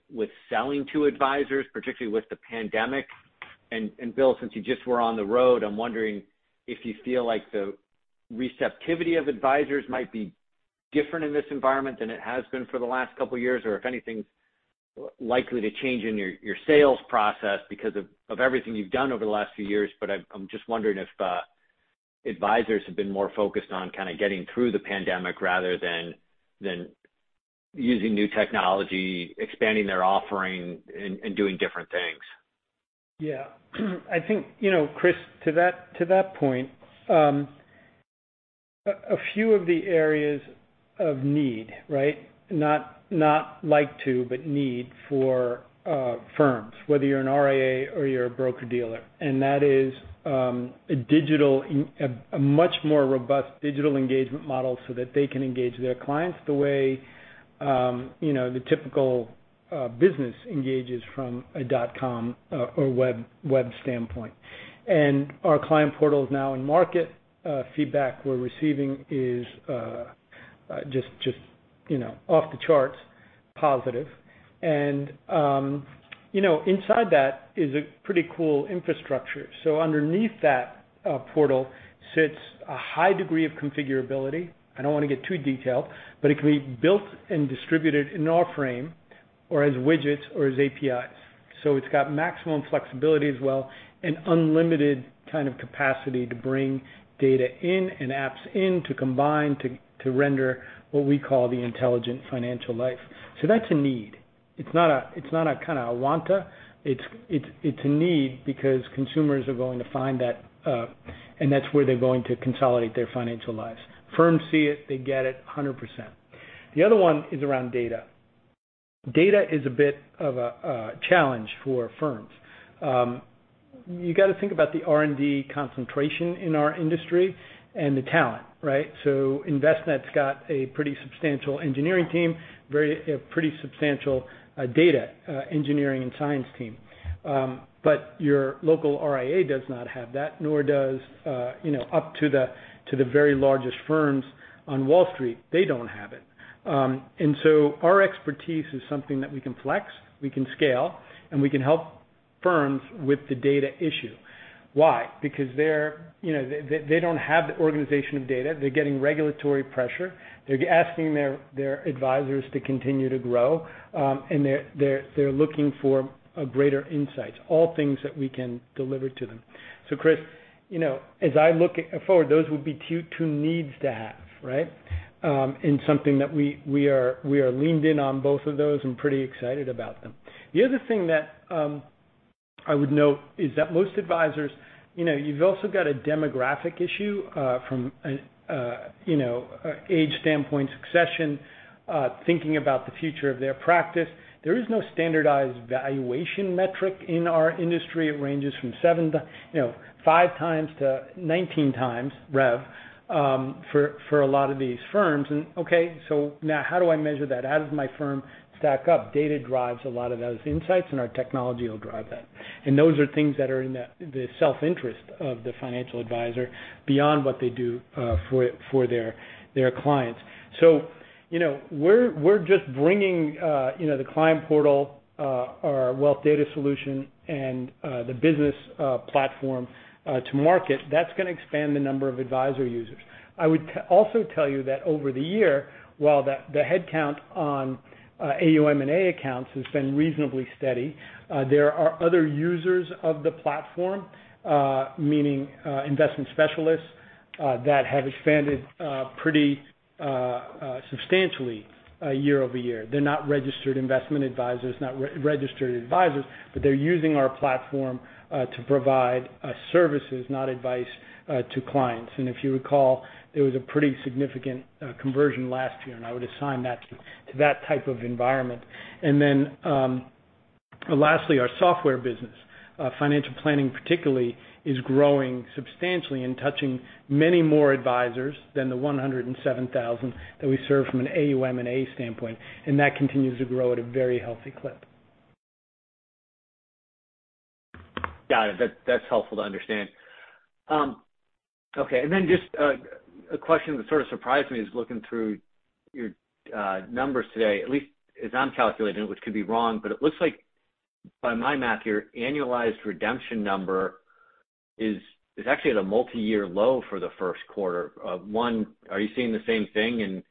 selling to advisors, particularly with the pandemic? Bill, since you just were on the road, I'm wondering if you feel like the receptivity of advisors might be different in this environment than it has been for the last couple years, or if anything's likely to change in your sales process because of everything you've done over the last few years. I'm just wondering if advisors have been more focused on kinda getting through the pandemic rather than using new technology, expanding their offering and doing different things. Yeah. I think, you know, Chris, to that point, a few of the areas of need, right? Not like to, but need for firms, whether you're an RIA or you're a broker-dealer, and that is a much more robust digital engagement model so that they can engage their clients the way, you know, the typical business engages from a dot-com or web standpoint. Our client portal is now in market. Feedback we're receiving is just, you know, off the charts positive. You know, inside that is a pretty cool infrastructure. Underneath that portal sits a high degree of configurability. I don't wanna get too detailed, but it can be built and distributed in our frame or as widgets or as APIs. It's got maximum flexibility as well, and unlimited kind of capacity to bring data in and apps in to combine, to render what we call the Intelligent Financial Life. That's a need. It's not a kinda a wanta. It's a need because consumers are going to find that, and that's where they're going to consolidate their financial lives. Firms see it, they get it 100%. The other one is around data. Data is a bit of a challenge for firms. You gotta think about the R&D concentration in our industry and the talent, right? Envestnet's got a pretty substantial engineering team, a pretty substantial data engineering and science team. Your local RIA does not have that, nor does, you know, up to the very largest firms on Wall Street, they don't have it. Our expertise is something that we can flex, we can scale, and we can help firms with the data issue. Why? Because they're, you know, they don't have the organization of data. They're getting regulatory pressure. They're asking their advisors to continue to grow. They're looking for a greater insight, all things that we can deliver to them. Chris, you know, as I look forward, those would be two needs to have, right? Something that we are leaned in on both of those and pretty excited about them. The other thing that I would note is that most advisors, you know, you've also got a demographic issue from you know an age standpoint, succession thinking about the future of their practice. There is no standardized valuation metric in our industry. It ranges from 5x-19x rev for a lot of these firms. Okay, so now how do I measure that? How does my firm stack up? Data drives a lot of those insights, and our technology will drive that. Those are things that are in the self-interest of the financial advisor beyond what they do for their clients. You know, we're just bringing the client portal, our wealth data solution, and the business platform to market. That's gonna expand the number of advisor users. I would also tell you that over the year, while the head count on AUM/A accounts has been reasonably steady, there are other users of the platform, meaning investment specialists that have expanded pretty substantially year-over-year. They're not registered investment advisors, not registered advisors, but they're using our platform to provide services, not advice to clients. If you recall, there was a pretty significant conversion last year, and I would assign that to that type of environment. Lastly, our software business, financial planning particularly, is growing substantially and touching many more advisors than the 107,000 that we serve from an AUM/A standpoint, and that continues to grow at a very healthy clip. Got it. That's helpful to understand. Okay. Just a question that sort of surprised me is looking through your numbers today, at least as I'm calculating, which could be wrong, but it looks like by my math, your annualized redemption number is actually at a multiyear low for the first quarter. One, are you seeing the same thing, and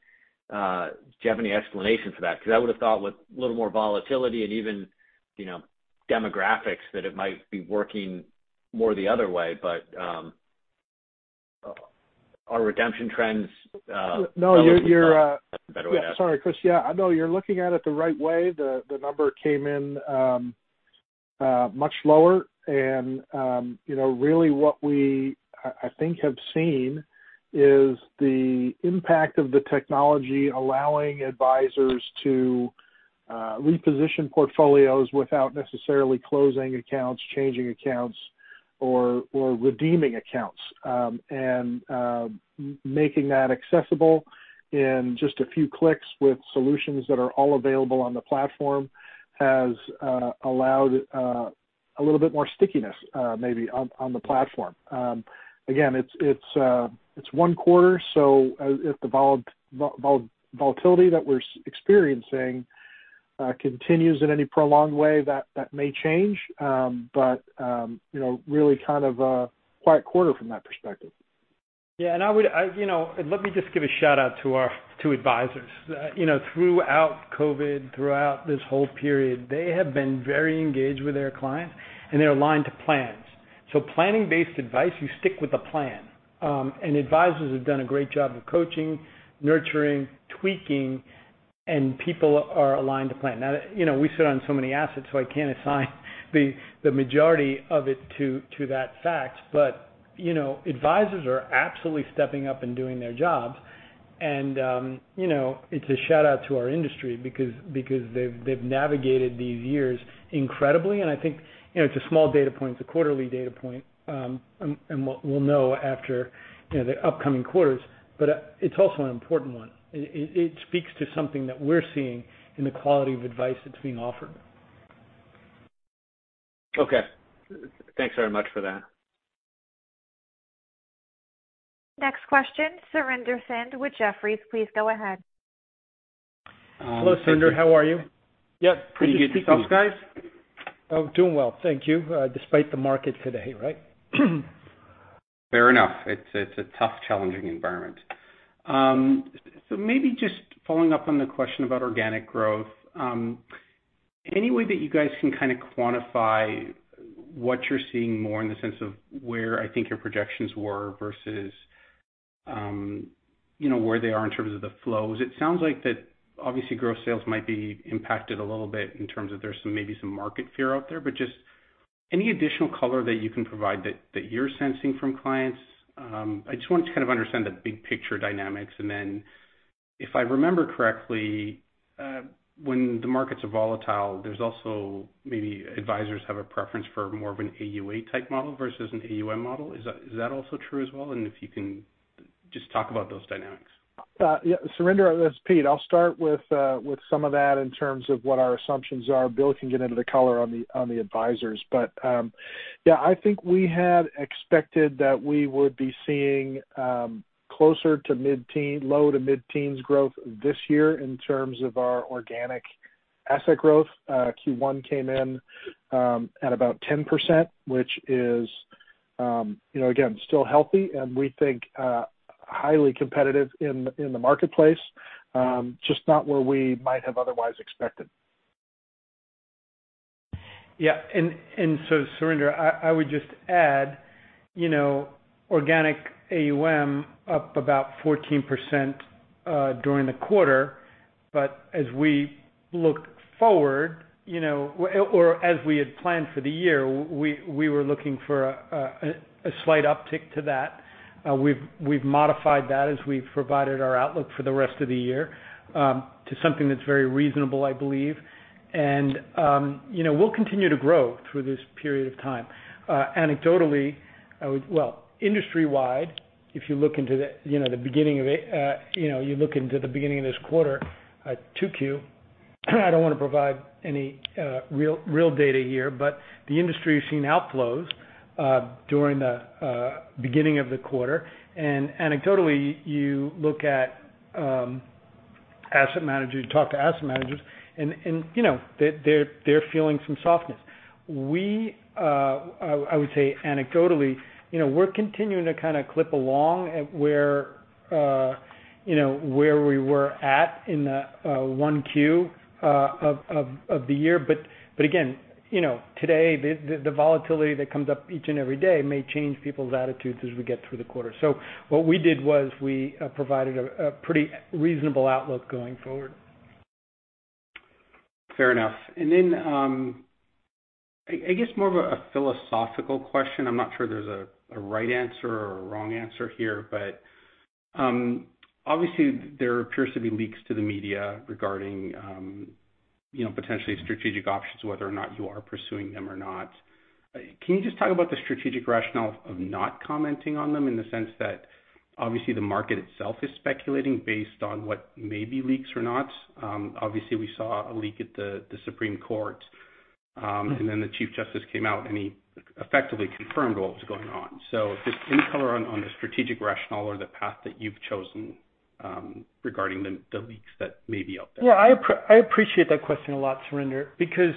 do you have any explanation for that? 'Cause I would've thought with a little more volatility and even, you know, demographics, that it might be working more the other way, but are redemption trends. No, you're Is that the better way to ask it? Yeah. Sorry, Chris. Yeah, no, you're looking at it the right way. The number came in much lower. You know, really what I think we have seen is the impact of the technology allowing advisors to reposition portfolios without necessarily closing accounts, changing accounts, or redeeming accounts. Making that accessible in just a few clicks with solutions that are all available on the platform has allowed a little bit more stickiness maybe on the platform. Again, it's one quarter, so if the volatility that we're experiencing continues in any prolonged way, that may change. You know, really kind of a quiet quarter from that perspective. Yeah. You know, let me just give a shout-out to our advisors. You know, throughout COVID, throughout this whole period, they have been very engaged with their clients, and they're aligned to plans. Planning-based advice, you stick with the plan. Advisors have done a great job of coaching, nurturing, tweaking, and people are aligned to plan. Now, you know, we sit on so many assets, so I can't assign the majority of it to that fact but, you know, advisors are absolutely stepping up and doing their jobs. You know, it's a shout-out to our industry because they've navigated these years incredibly. I think, you know, it's a small data point, it's a quarterly data point, and we'll know after, you know, the upcoming quarters, but it's also an important one. It speaks to something that we're seeing in the quality of advice that's being offered. Okay. Thanks very much for that. Next question, Surinder Thind with Jefferies, please go ahead. Hello, Surinder. How are you? Yeah, pretty good. Good to see you folks, guys. I'm doing well, thank you, despite the market today, right? Fair enough. It's a tough, challenging environment. Maybe just following up on the question about organic growth, any way that you guys can kind of quantify what you're seeing more in the sense of where I think your projections were versus, you know, where they are in terms of the flows? It sounds like that obviously, growth sales might be impacted a little bit in terms of there's some maybe some market fear out there. Just any additional color that you can provide that you're sensing from clients? I just wanted to kind of understand the big picture dynamics. If I remember correctly, when the markets are volatile, there's also maybe advisors have a preference for more of an AUA type model versus an AUM model. Is that also true as well? If you can just talk about those dynamics. Yeah. Surinder, this is Pete. I'll start with some of that in terms of what our assumptions are. Bill can get into the color on the advisors. Yeah, I think we had expected that we would be seeing closer to low- to mid-teens growth this year in terms of our organic asset growth. Q1 came in at about 10%, which is, you know, again, still healthy and we think highly competitive in the marketplace, just not where we might have otherwise expected. Surinder, I would just add, you know, organic AUM up about 14% during the quarter. But as we look forward, you know, or as we had planned for the year, we were looking for a slight uptick to that. We've modified that as we've provided our outlook for the rest of the year to something that's very reasonable, I believe. You know, we'll continue to grow through this period of time. Industry-wide, if you look into the beginning of this quarter, 2Q, I don't wanna provide any real data here, but the industry has seen outflows during the beginning of the quarter. Anecdotally, you look at asset managers, you talk to asset managers and you know, they're feeling some softness. I would say anecdotally, you know, we're continuing to kinda clip along at where you know, where we were at in 1Q of the year. Again, you know, today, the volatility that comes up each and every day may change people's attitudes as we get through the quarter. What we did was we provided a pretty reasonable outlook going forward. Fair enough. I guess more of a philosophical question. I'm not sure there's a right answer or a wrong answer here, but obviously there appears to be leaks to the media regarding you know, potentially strategic options, whether or not you are pursuing them or not. Can you just talk about the strategic rationale of not commenting on them in the sense that obviously the market itself is speculating based on what may be leaks or not? Obviously, we saw a leak at the Supreme Court, and then the chief justice came out, and he effectively confirmed what was going on. Just any color on the strategic rationale or the path that you've chosen regarding the leaks that may be out there? Yeah. I appreciate that question a lot, Surinder, because,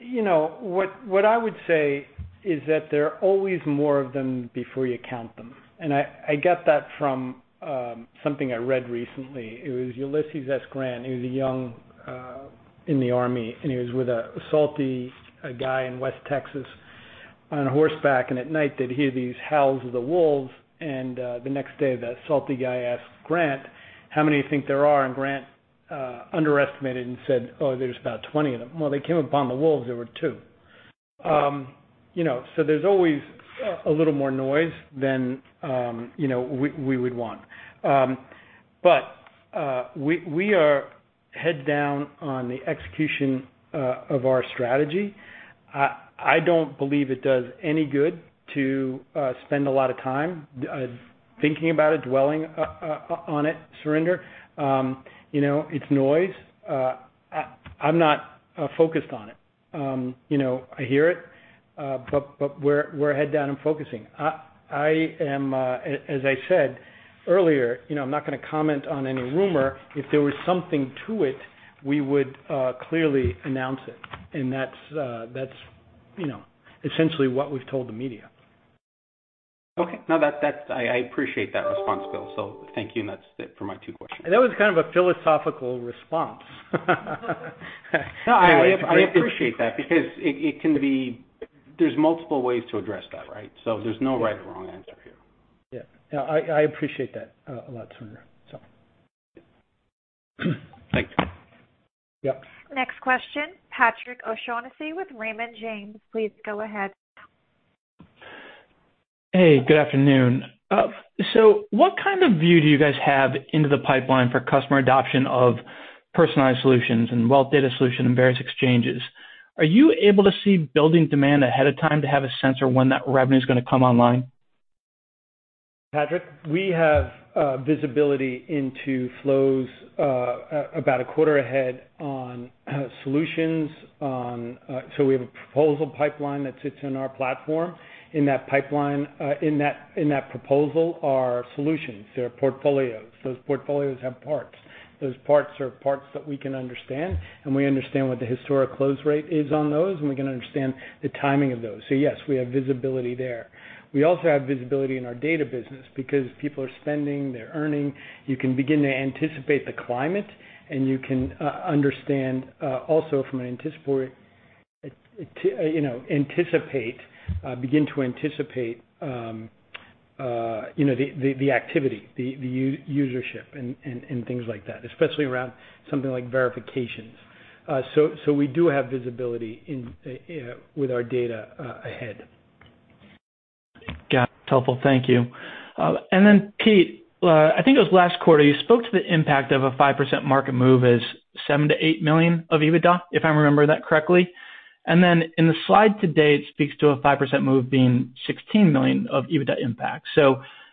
you know, what I would say is that there are always more of them before you count them. I get that from something I read recently. It was Ulysses S. Grant. He was a young in the army, and he was with a salty guy in West Texas on horseback. At night they'd hear these howls of the wolves. The next day, that salty guy asked Grant, "How many you think there are?" Grant underestimated and said, "Oh, there's about 20 of them." Well, they came upon the wolves. There were two. You know, so there's always a little more noise than we would want. But we are head down on the execution of our strategy. I don't believe it does any good to spend a lot of time thinking about it, dwelling on it, Surinder. You know, it's noise. I'm not focused on it. You know, I hear it, but we're head down and focusing. I am, as I said earlier, you know, I'm not gonna comment on any rumor. If there was something to it, we would clearly announce it. That's, you know, essentially what we've told the media. Okay. No. That, I appreciate that response, Bill. Thank you. That's it for my two questions. That was kind of a philosophical response. No, I appreciate that. There's multiple ways to address that, right? There's no right or wrong answer here. Yeah. No, I appreciate that a lot, Surinder, so. Thanks. Yep. Next question, Patrick O'Shaughnessy with Raymond James, please go ahead. Hey, good afternoon. What kind of view do you guys have into the pipeline for customer adoption of personalized solutions and Wealth Data Platform and various exchanges? Are you able to see building demand ahead of time to have a sense of when that revenue's gonna come online? Patrick, we have visibility into flows about a quarter ahead on solutions. We have a proposal pipeline that sits in our platform. In that pipeline, in that proposal are solutions. There are portfolios. Those portfolios have parts. Those parts are parts that we can understand, and we understand what the historic close rate is on those, and we can understand the timing of those. Yes, we have visibility there. We also have visibility in our data business because people are spending, they're earning. You can begin to anticipate the climate, and you can understand also from an anticipatory, you know, begin to anticipate the activity, the usage and things like that, especially around something like verifications. We do have visibility with our data ahead. Got it. Helpful. Thank you. Pete, I think it was last quarter you spoke to the impact of a 5% market move as $7 million-$8 million of EBITDA, if I remember that correctly. In the slide today, it speaks to a 5% move being $16 million of EBITDA impact.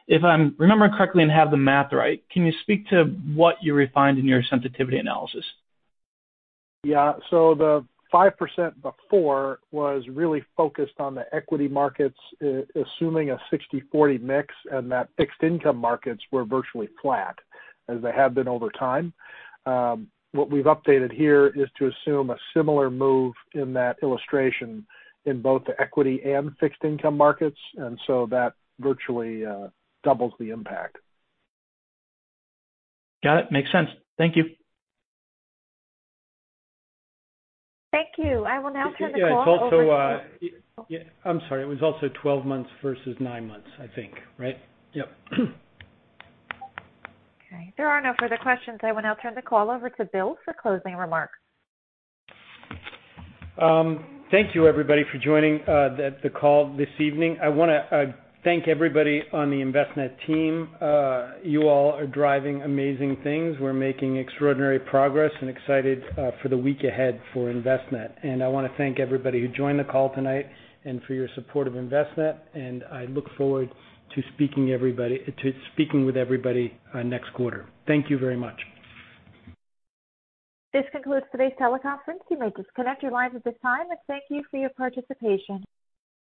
If I'm remembering correctly and have the math right, can you speak to what you refined in your sensitivity analysis? Yeah. The 5% before was really focused on the equity markets assuming a 60/40 mix, and that fixed income markets were virtually flat, as they have been over time. What we've updated here is to assume a similar move in that illustration in both the equity and fixed income markets, and so that virtually doubles the impact. Got it. Makes sense. Thank you. Thank you. I will now turn the call over to. Yeah. It's also, Yeah. I'm sorry. It was also 12 months versus 9 months, I think, right? Yep. Okay. There are no further questions. I will now turn the call over to Bill for closing remarks. Thank you, everybody, for joining the call this evening. I wanna thank everybody on the Envestnet team. You all are driving amazing things. We're making extraordinary progress and excited for the week ahead for Envestnet. I wanna thank everybody who joined the call tonight and for your support of Envestnet, and I look forward to speaking with everybody next quarter. Thank you very much. This concludes today's teleconference. You may disconnect your lines at this time, and thank you for your participation.